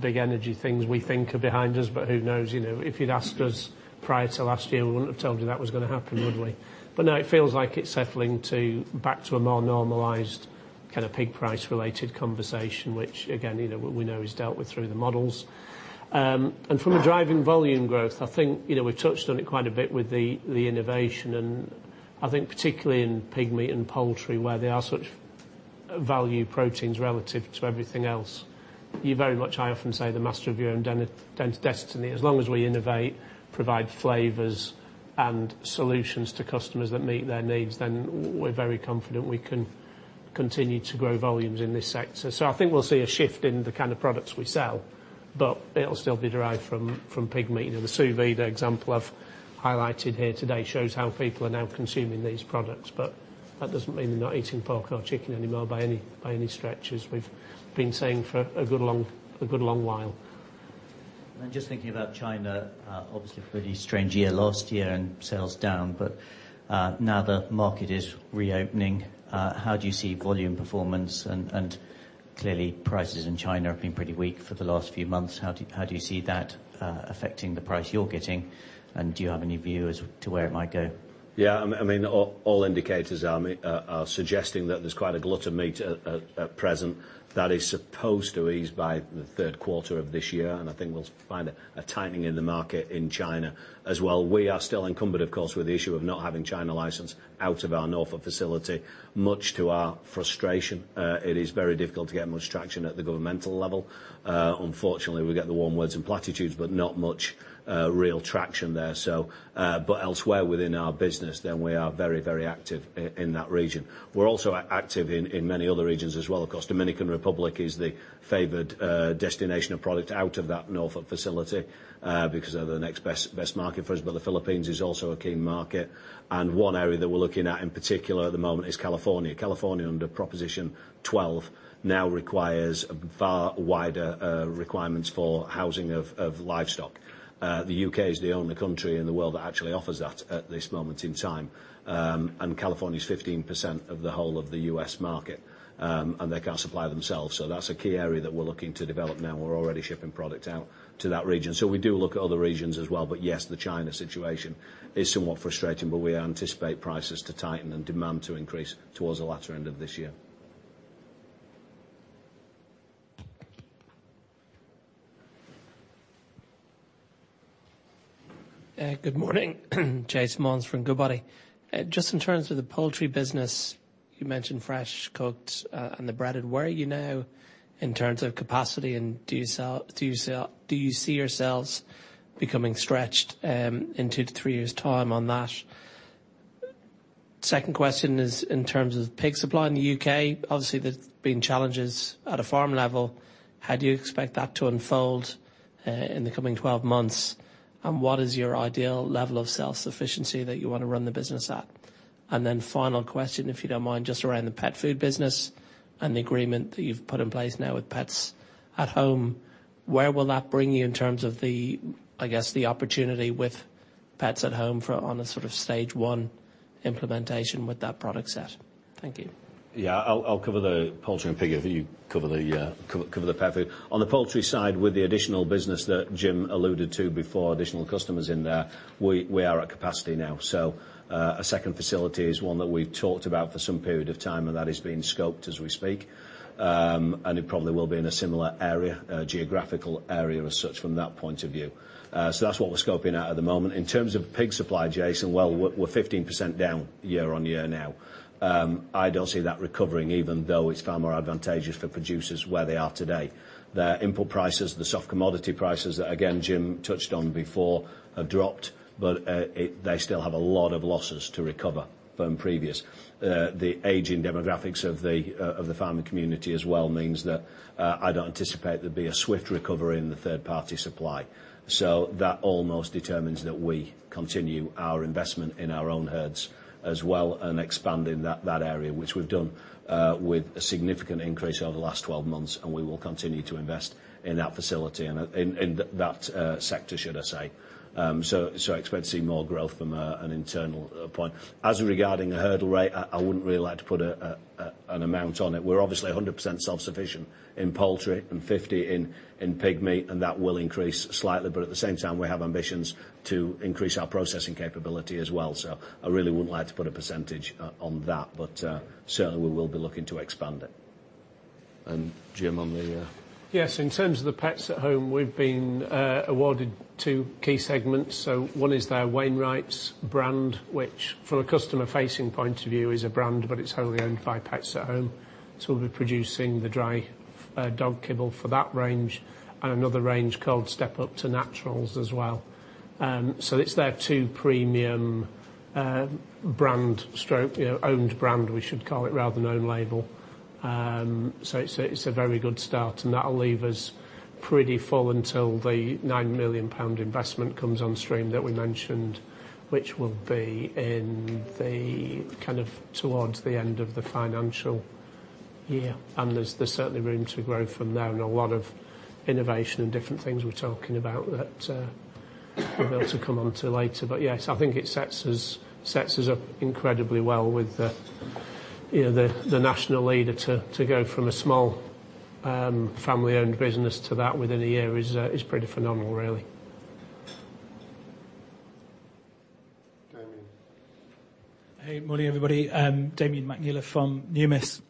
big energy things we think are behind us, but who knows, you know? If you'd asked us prior to last year, we wouldn't have told you that was gonna happen, would we? No, it feels like it's settling to back to a more normalized kind of pig price-related conversation, which again, you know, we know is dealt with through the models. From a driving volume growth, I think, you know, we've touched on it quite a bit with the innovation, and I think particularly in pig meat and poultry, where they are such value proteins relative to everything else. You very much, I often say the master of your own destiny. As long as we innovate, provide flavors and solutions to customers that meet their needs, then we're very confident we can continue to grow volumes in this sector. I think we'll see a shift in the kind of products we sell, but it'll still be derived from pig meat. You know, the sous vide example I've highlighted here today shows how people are now consuming these products. That doesn't mean they're not eating pork or chicken anymore by any stretch, as we've been saying for a good long while. Just thinking about China, obviously a pretty strange year last year and sales down, now the market is reopening, how do you see volume performance? Clearly prices in China have been pretty weak for the last few months. How do you see that affecting the price you're getting, and do you have any view as to where it might go? Yeah, I mean, all indicators are suggesting that there's quite a glut of meat at present that is supposed to ease by the third quarter of this year. I think we'll find a tightening in the market in China as well. We are still encumbered, of course, with the issue of not having China license out of our Norfolk facility, much to our frustration. It is very difficult to get much traction at the governmental level. Unfortunately, we get the warm words and platitudes, but not much real traction there, so. Elsewhere within our business, we are very active in that region. We're also active in many other regions as well. Of course, Dominican Republic is the favored destination of product out of that Norfolk facility, because they're the next best market for us. The Philippines is also a key market. One area that we're looking at in particular at the moment is California. California, under Proposition 12, now requires far wider requirements for housing of livestock. The U.K. is the only country in the world that actually offers that at this moment in time. California is 15% of the whole of the U.S. market, and they can't supply themselves. That's a key area that we're looking to develop now. We're already shipping product out to that region. We do look at other regions as well. Yes, the China situation is somewhat frustrating, but we anticipate prices to tighten and demand to increase toward the latter end of this year. Good morning. Jay Simmons from Goodbody. Just in terms of the poultry business, you mentioned fresh cooked and the breaded. Where are you now in terms of capacity, and do you see yourselves becoming stretched in 2-3 years' time on that? Second question is in terms of pig supply in the U.K., obviously, there's been challenges at a farm level. How do you expect that to unfold in the coming 12 months? What is your ideal level of self-sufficiency that you wanna run the business at? Final question, if you don't mind, just around the pet food business and the agreement that you've put in place now with Pets at Home. Where will that bring you in terms of the, I guess, the opportunity with Pets at Home for on a sort of stage 1 implementation with that product set? Thank you. I'll cover the poultry and pig, if you cover the pet food. On the poultry side, with the additional business that Jim alluded to before, additional customers in there, we are at capacity now. A second facility is one that we've talked about for some period of time, and that is being scoped as we speak. It probably will be in a similar area, geographical area as such from that point of view. That's what we're scoping out at the moment. In terms of pig supply, Jason, well, we're 15% down year-on-year now. I don't see that recovering even though it's far more advantageous for producers where they are today. Their input prices, the soft commodity prices that again, Jim touched on before, have dropped, they still have a lot of losses to recover from previous. The aging demographics of the farming community as well means that I don't anticipate there'd be a swift recovery in the third-party supply. That almost determines that we continue our investment in our own herds as well and expanding that area, which we've done with a significant increase over the last 12 months, and we will continue to invest in that facility, in that sector, should I say. Expecting more growth from an internal point. As regarding a hurdle rate, I wouldn't really like to put an amount on it. We're obviously 100% self-sufficient in poultry and 50 in pig meat, and that will increase slightly. At the same time, we have ambitions to increase our processing capability as well. I really wouldn't like to put a percentage on that. Certainly we will be looking to expand it. Jim, on the... Yes, in terms of the Pets at Home, we've been awarded two key segments. One is their Wainwright's brand, which from a customer facing point of view is a brand, but it's wholly owned by Pets at Home, so we'll be producing the dry dog kibble for that range and another range called Step Up to Naturals as well. It's their two premium brand stroke, you know, owned brand we should call it, rather than own label. It's a very good start, and that'll leave us pretty full until the 9 million pound investment comes on stream that we mentioned, which will be in the kind of towards the end of the financial year. There's certainly room to grow from there and a lot of innovation and different things we're talking about that, we're able to come onto later. Yes, I think it sets us up incredibly well with the, you know, the national leader to go from a small, family-owned business to that within a year is pretty phenomenal really. Damian. Hey, morning everybody. Damian McNeela from Numis.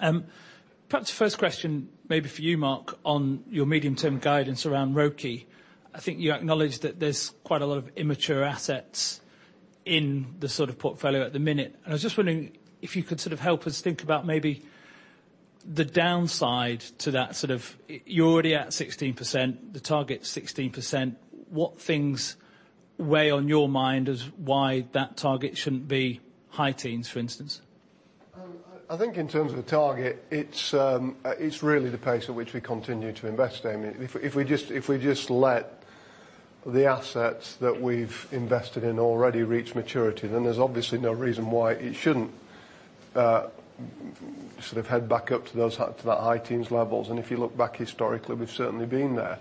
Perhaps the first question maybe for you, Mark, on your medium term guidance around ROCE. I think you acknowledged that there's quite a lot of immature assets in the sort of portfolio at the minute. I was just wondering if you could sort of help us think about maybe the downside to that sort of, you're already at 16%, the target's 16%. What things weigh on your mind as why that target shouldn't be high teens, for instance? I think in terms of a target, it's really the pace at which we continue to invest, Damian. If we just let the assets that we've invested in already reach maturity, then there's obviously no reason why it shouldn't sort of head back up to the high teens levels. If you look back historically, we've certainly been there.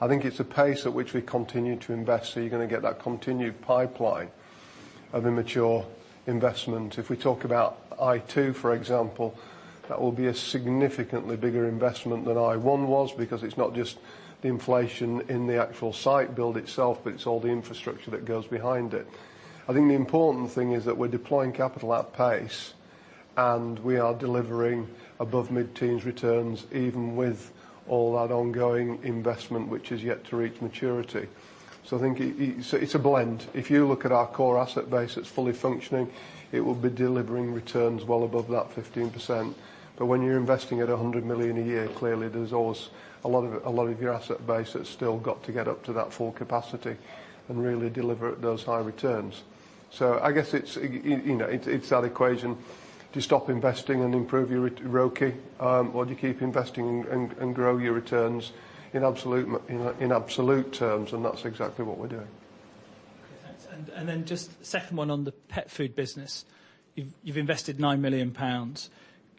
I think it's the pace at which we continue to invest, are you gonna get that continued pipeline of immature investment? If we talk about Eye 2, for example, that will be a significantly bigger investment than Eye 1 was because it's not just the inflation in the actual site build itself, but it's all the infrastructure that goes behind it. I think the important thing is that we're deploying capital at pace, and we are delivering above mid-teens returns even with all that ongoing investment, which is yet to reach maturity. I think it's a blend. If you look at our core asset base that's fully functioning, it will be delivering returns well above that 15%. When you're investing at 100 million a year, clearly there's always a lot of your asset base that's still got to get up to that full capacity and really deliver those high returns. I guess it's, you know, that equation. Do you stop investing and improve your ROCE? Do you keep investing and grow your returns in absolute in a, in absolute terms, and that's exactly what we're doing. Okay, thanks. Just second one on the pet food business. You've invested 9 million pounds.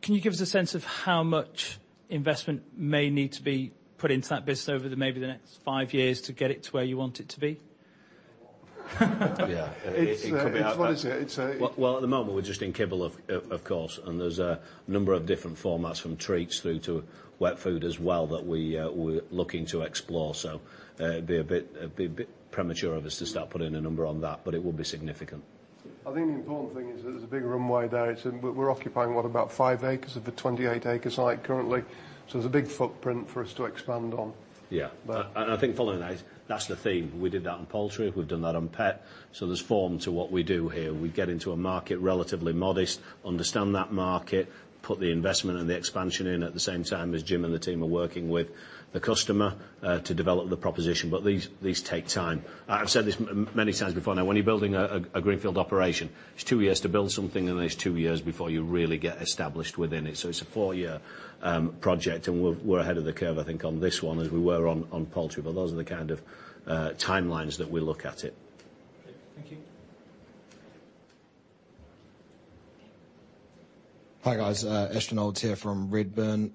Can you give us a sense of how much investment may need to be put into that business over the, maybe the next five years to get it to where you want it to be? Yeah. It could be out. It's funny to say, Well, at the moment, we're just in kibble of course, and there's a number of different formats from treats through to wet food as well that we're looking to explore. It'd be a bit premature of us to start putting a number on that, but it would be significant. I think the important thing is that there's a big runway there. It's. We're occupying what, about five acres of the 28 acre site currently. There's a big footprint for us to expand on. Yeah. But- I think following that is that's the theme. We did that on poultry, we've done that on pet, there's form to what we do here. We get into a market relatively modest, understand that market, put the investment and the expansion in at the same time as Jim and the team are working with the customer to develop the proposition, these take time. I've said this many times before now. When you're building a greenfield operation, it's two years to build something and then it's two years before you really get established within it. It's a four-year project, we're ahead of the curve, I think, on this one as we were on poultry. Those are the kind of timelines that we look at it. Okay. Thank you. Hi, guys. Ashton Olds here from Redburn.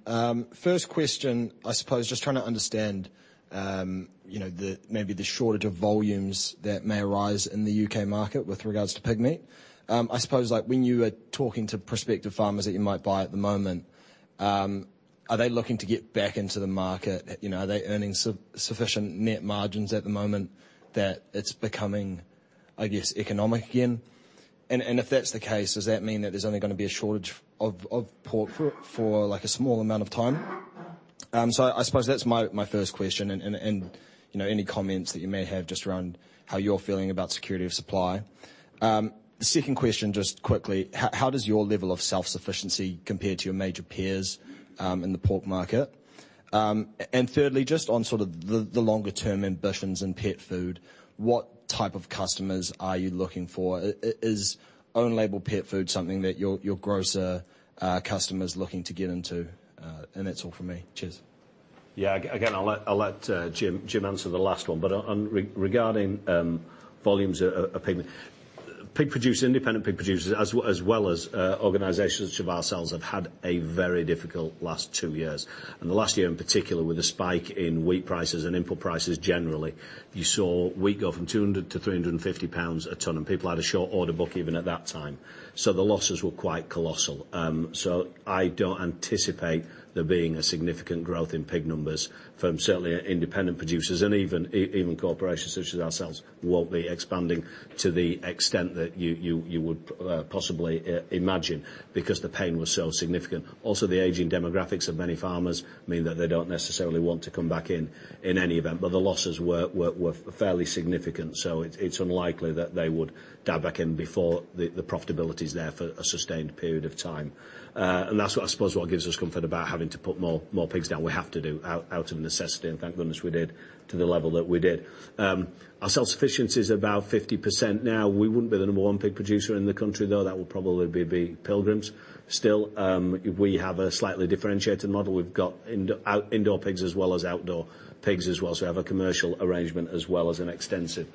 First question, I suppose, just trying to understand, you know, the, maybe the shortage of volumes that may arise in the U.K. market with regards to pig meat. I suppose, like, when you are talking to prospective farmers that you might buy at the moment, Are they looking to get back into the market? You know, are they earning sufficient net margins at the moment that it's becoming, I guess, economic again? If that's the case, does that mean that there's only gonna be a shortage of pork for like, a small amount of time? I suppose that's my first question and, you know, any comments that you may have just around how you're feeling about security of supply. The second question, just quickly. How does your level of self-sufficiency compare to your major peers in the pork market? Thirdly, just on sort of the longer term ambitions in pet food, what type of customers are you looking for? Is own-label pet food something that your grocer customer's looking to get into? That's all from me. Cheers. Again, I'll let Jim answer the last one. On regarding volumes of Pig producers, independent pig producers as well as organizations such as ourselves, have had a very difficult last two years, and the last year in particular with the spike in wheat prices and input prices generally. You saw wheat go from 200-350 pounds a ton, people had a short order book even at that time. The losses were quite colossal. I don't anticipate there being a significant growth in pig numbers from certainly independent producers and even corporations such as ourselves won't be expanding to the extent that you would possibly imagine because the pain was so significant. The aging demographics of many farmers mean that they don't necessarily want to come back in in any event, but the losses were fairly significant, so it's unlikely that they would dive back in before the profitability is there for a sustained period of time. That's what, I suppose, what gives us comfort about having to put more pigs down. We have to do out of necessity, and thank goodness we did to the level that we did. Our self-sufficiency is about 50% now. We wouldn't be the number one pig producer in the country, though. That would probably be Pilgrim's. We have a slightly differentiated model. We've got indoor pigs as well as outdoor pigs as well, so we have a commercial arrangement as well as an extensive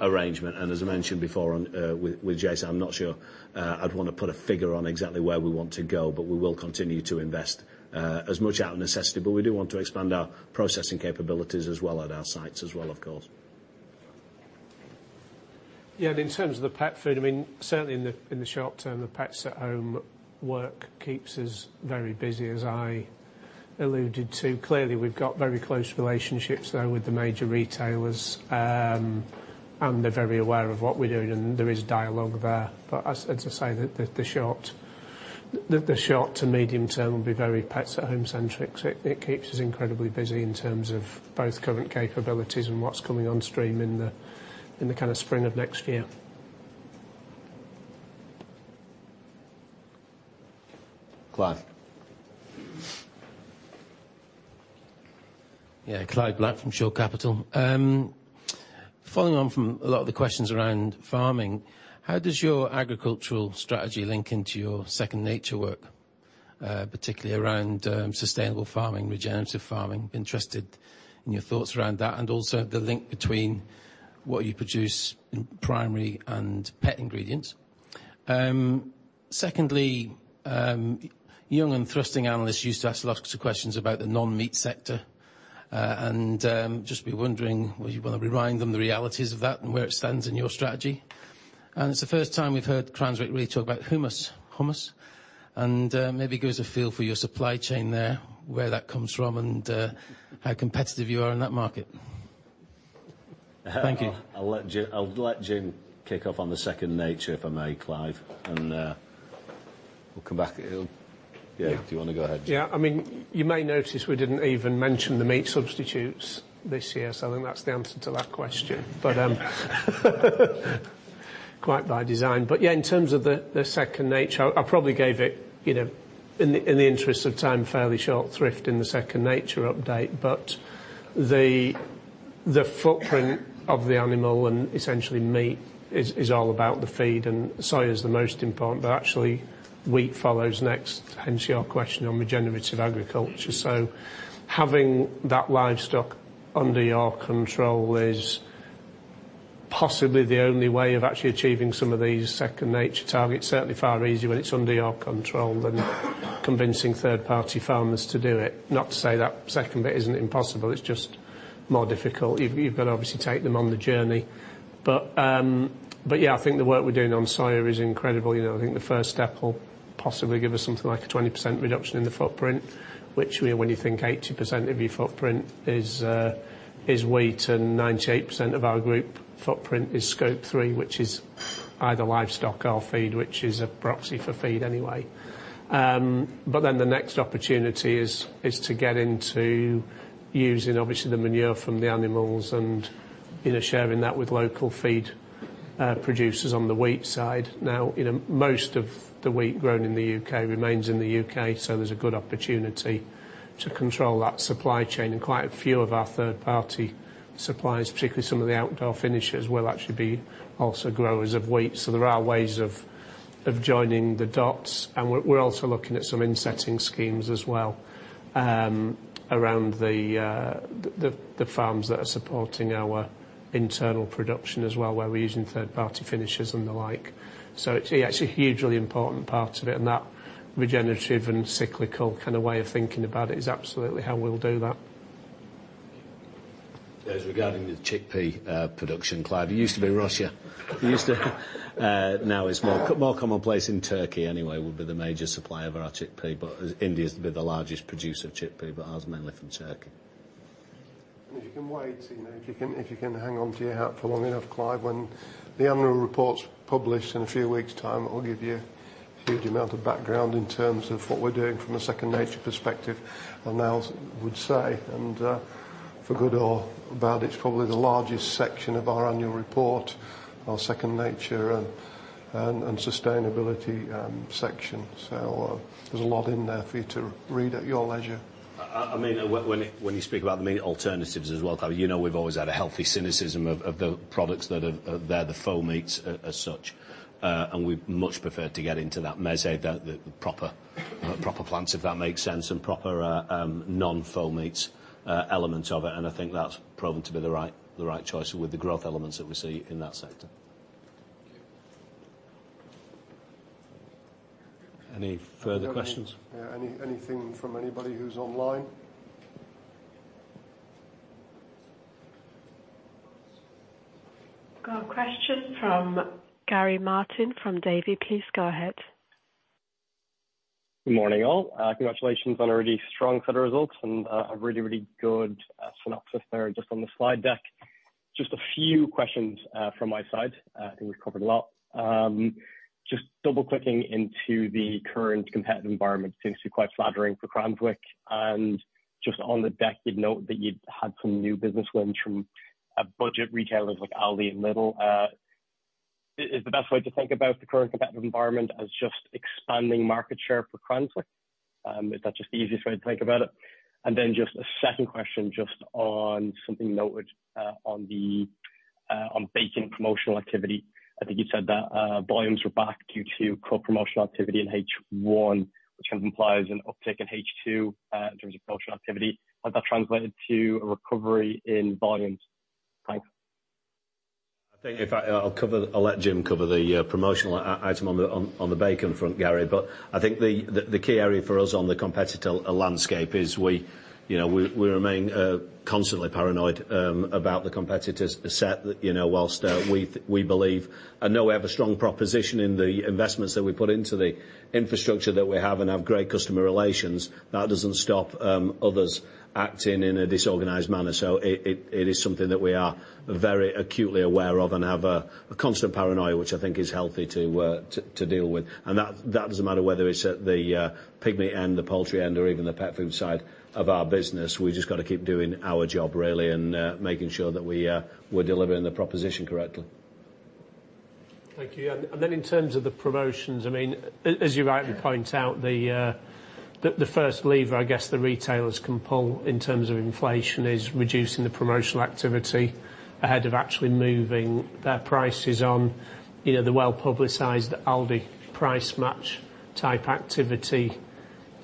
arrangement. As I mentioned before on, with Jason, I'm not sure I'd wanna put a figure on exactly where we want to go, but we will continue to invest as much out of necessity. We do want to expand our processing capabilities as well at our sites as well, of course. Yeah. In terms of the pet food, I mean, certainly in the, in the short term, the Pets at Home work keeps us very busy, as I alluded to. Clearly, we've got very close relationships though with the major retailers, they're very aware of what we're doing, and there is dialogue there. As, as I say, the short to medium term will be very Pets at Home centric. It, it keeps us incredibly busy in terms of both current capabilities and what's coming on stream in the, in the kind of spring of next year. Clive. Clive Black from Shore Capital. Following on from a lot of the questions around farming, how does your agricultural strategy link into your Second Nature work, particularly around sustainable farming, regenerative farming? Interested in your thoughts around that and also the link between what you produce in primary and pet ingredients. Secondly, young and thrusting analysts used to ask lots of questions about the non-meat sector, and just be wondering whether you wanna remind them the realities of that and where it stands in your strategy. It's the first time we've heard Cranswick really talk about hummus, and maybe give us a feel for your supply chain there, where that comes from and how competitive you are in that market. Thank you. I'll let Jim kick off on the Second Nature, if I may, Clive, and we'll come back. Yeah. Do you wanna go ahead, Jim? Yeah. I mean, you may notice we didn't even mention the meat substitutes this year, so I think that's the answer to that question. Quite by design. In terms of the Second Nature, I probably gave it, you know, in the, in the interest of time, fairly short thrift in the Second Nature update. The footprint of the animal and essentially meat is all about the feed, and soy is the most important, but actually wheat follows next, hence your question on regenerative agriculture. Having that livestock under your control is possibly the only way of actually achieving some of these Second Nature targets. Certainly far easier when it's under your control than convincing third-party farmers to do it. Not to say that second bit isn't impossible, it's just more difficult. You've, you've gotta obviously take them on the journey. Yeah, I think the work we're doing on soy is incredible. You know, I think the first step will possibly give us something like a 20% reduction in the footprint, which when you think 80% of your footprint is wheat and 98% of our group footprint is Scope 3, which is either livestock or feed, which is a proxy for feed anyway. The next opportunity is to get into using obviously the manure from the animals and, you know, sharing that with local feed producers on the wheat side. You know, most of the wheat grown in the U.K. remains in the U.K., so there's a good opportunity to control that supply chain and quite a few of our third-party suppliers, particularly some of the outdoor finishers, will actually be also growers of wheat. There are ways of joining the dots, and we're also looking at some in-setting schemes as well, around the farms that are supporting our internal production as well, where we're using third-party finishers and the like. It's a hugely important part of it, and that regenerative and cyclical kinda way of thinking about it is absolutely how we'll do that. As regarding the chickpea production, Clive, it used to be Russia. Now it's more commonplace in Turkey anyway, would be the major supplier of our chickpea. India's the largest producer of chickpea, but ours is mainly from Turkey. If you can wait, you know, if you can hang on to your hat for long enough, Clive, when the annual report's published in a few weeks' time, it will give you a huge amount of background in terms of what we're doing from a Second Nature perspective on ours, I would say. For good or bad, it's probably the largest section of our annual report, our Second Nature and sustainability section. There's a lot in there for you to read at your leisure. I mean, when you speak about the meat alternatives as well, Clive, you know we've always had a healthy cynicism of the products that are there, the faux meats as such. We much prefer to get into that mezze, the proper plants, if that makes sense, and proper non-faux meats elements of it. I think that's proven to be the right choice with the growth elements that we see in that sector. Thank you. Any further questions? Yeah. Anything from anybody who's online? Got a question from Gary Martin from Davy. Please go ahead. Good morning, all. Congratulations on a really strong set of results and a really, really good synopsis there just on the slide deck. Just a few questions from my side. I think we've covered a lot. Just double-clicking into the current competitive environment seems to be quite flattering for Cranswick. Just on the deck, you'd note that you'd had some new business wins from budget retailers like Aldi and Lidl. Is the best way to think about the current competitive environment as just expanding market share for Cranswick? Is that just the easiest way to think about it? Then just a second question just on something you noted on the bacon promotional activity. I think you said that, volumes were back due to co-promotional activity in H1, which kind of implies an uptick in H2, in terms of promotional activity. Has that translated to a recovery in volumes? Thanks. I'll let Jim cover the promotional item on the bacon front, Gary. I think the key area for us on the competitor landscape is we, you know, we remain constantly paranoid about the competitors set. You know, whilst we believe and know we have a strong proposition in the investments that we put into the infrastructure that we have and have great customer relations, that doesn't stop others acting in a disorganized manner. It is something that we are very acutely aware of and have a constant paranoia, which I think is healthy to deal with. That doesn't matter whether it's at the pig meat end, the poultry end, or even the pet food side of our business. We've just gotta keep doing our job really and making sure that we we're delivering the proposition correctly. Thank you. Then in terms of the promotions, I mean, as you rightly point out, the first lever I guess the retailers can pull in terms of inflation is reducing the promotional activity ahead of actually moving their prices on, you know, the well-publicized Aldi Price Match type activity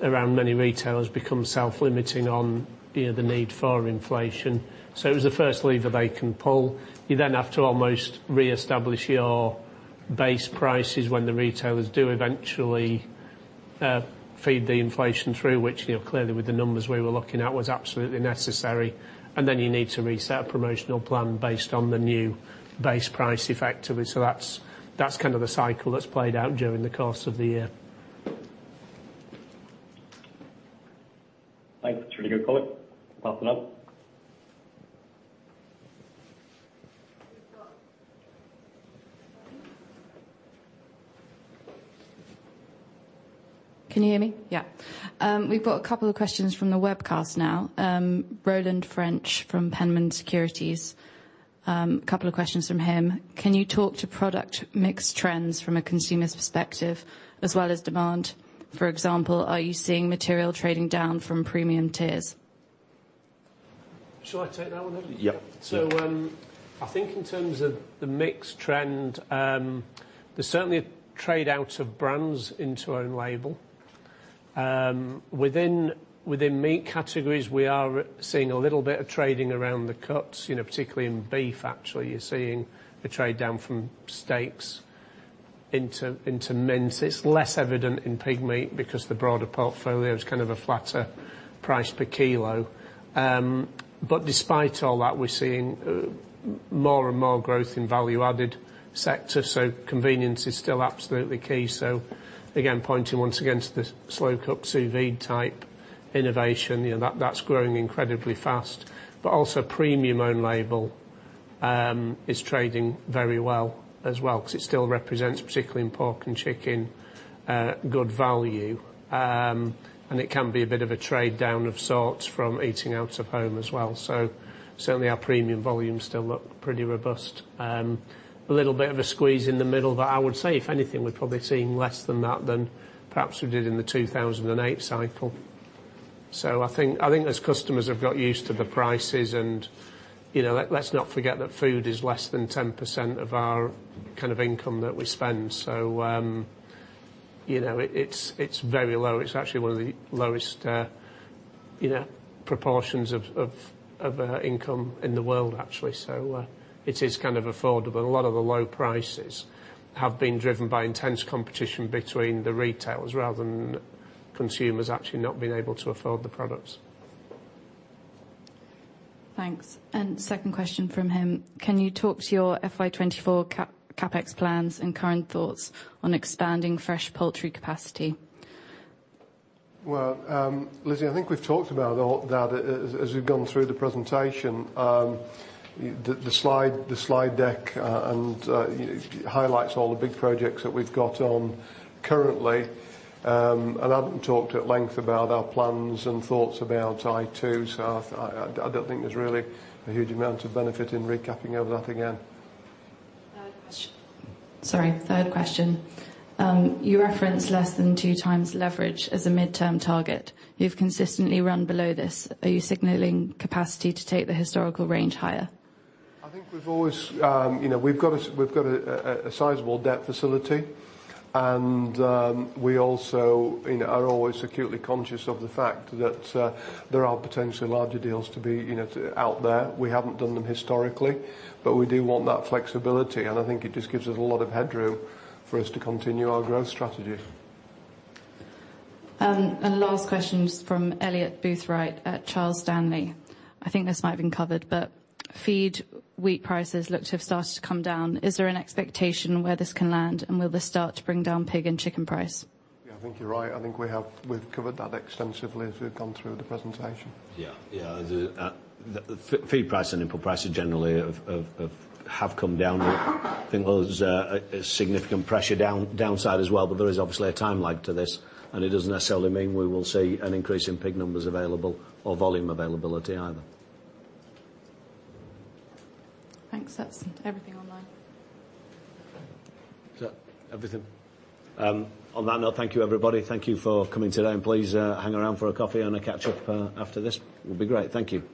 around many retailers become self-limiting on, you know, the need for inflation. It was the first lever they can pull. You then have to almost reestablish your base prices when the retailers do eventually feed the inflation through which, you know, clearly with the numbers we were looking at, was absolutely necessary. Then you need to reset a promotional plan based on the new base price effectively. That's kind of the cycle that's played out during the course of the year. Thanks. That's a really good call. Nothing else. Can you hear me? Yeah. We've got a couple of questions from the webcast now. Roland French from Panmure Gordon. A couple of questions from him. Can you talk to product mix trends from a consumer's perspective as well as demand? For example, are you seeing material trading down from premium tiers? Shall I take that one then? Yeah. I think in terms of the mix trend, there's certainly a trade out of brands into own label. Within meat categories, we are seeing a little bit of trading around the cuts. You know, particularly in beef, actually, you're seeing a trade down from steaks into mince. It's less evident in pig meat because the broader portfolio is kind of a flatter price per kilo. Despite all that, we're seeing more and more growth in value-added sector. Convenience is still absolutely key. Again, pointing once again to the slow cooked sous vide type innovation, you know, that's growing incredibly fast. Also premium own label is trading very well as well, 'cause it still represents, particularly in pork and chicken, good value. It can be a bit of a trade-down of sorts from eating out of home as well. Certainly our premium volumes still look pretty robust. A little bit of a squeeze in the middle, I would say if anything, we're probably seeing less than that than perhaps we did in the 2008 cycle. I think as customers have got used to the prices and, you know, let's not forget that food is less than 10% of our kind of income that we spend. You know, it's very low. It's actually one of the lowest, you know, proportions of income in the world actually. It is kind of affordable. A lot of the low prices have been driven by intense competition between the retailers rather than- Consumers actually not being able to afford the products. Thanks. Second question from him, can you talk to your FY 2024 CapEx plans and current thoughts on expanding fresh poultry capacity? Lizzy, I think we've talked about all that as we've gone through the presentation. The slide deck highlights all the big projects that we've got on currently. Adam talked at length about our plans and thoughts about I2. I don't think there's really a huge amount of benefit in recapping over that again. Third question. Sorry, third question. You referenced less than 2 times leverage as a midterm target. You've consistently run below this. Are you signaling capacity to take the historical range higher? I think we've always, you know, we've got a sizable debt facility, and we also, you know, are always acutely conscious of the fact that there are potentially larger deals to be, you know, out there. We haven't done them historically, but we do want that flexibility, and I think it just gives us a lot of headroom for us to continue our growth strategy. Last question is from Elliot Boothright at Charles Stanley. I think this might have been covered, but feed wheat prices look to have started to come down. Is there an expectation where this can land, and will this start to bring down pig and chicken price? Yeah, I think you're right. I think we've covered that extensively as we've gone through the presentation. Yeah. Yeah. The, the feed price and input prices generally have come down. I think there's a significant pressure downside as well, but there is obviously a time lag to this, and it doesn't necessarily mean we will see an increase in pig numbers available or volume availability either. Thanks. That's everything online. Is that everything? On that note, thank you, everybody. Thank you for coming today, please, hang around for a coffee and a catch-up, after this. It'll be great. Thank you.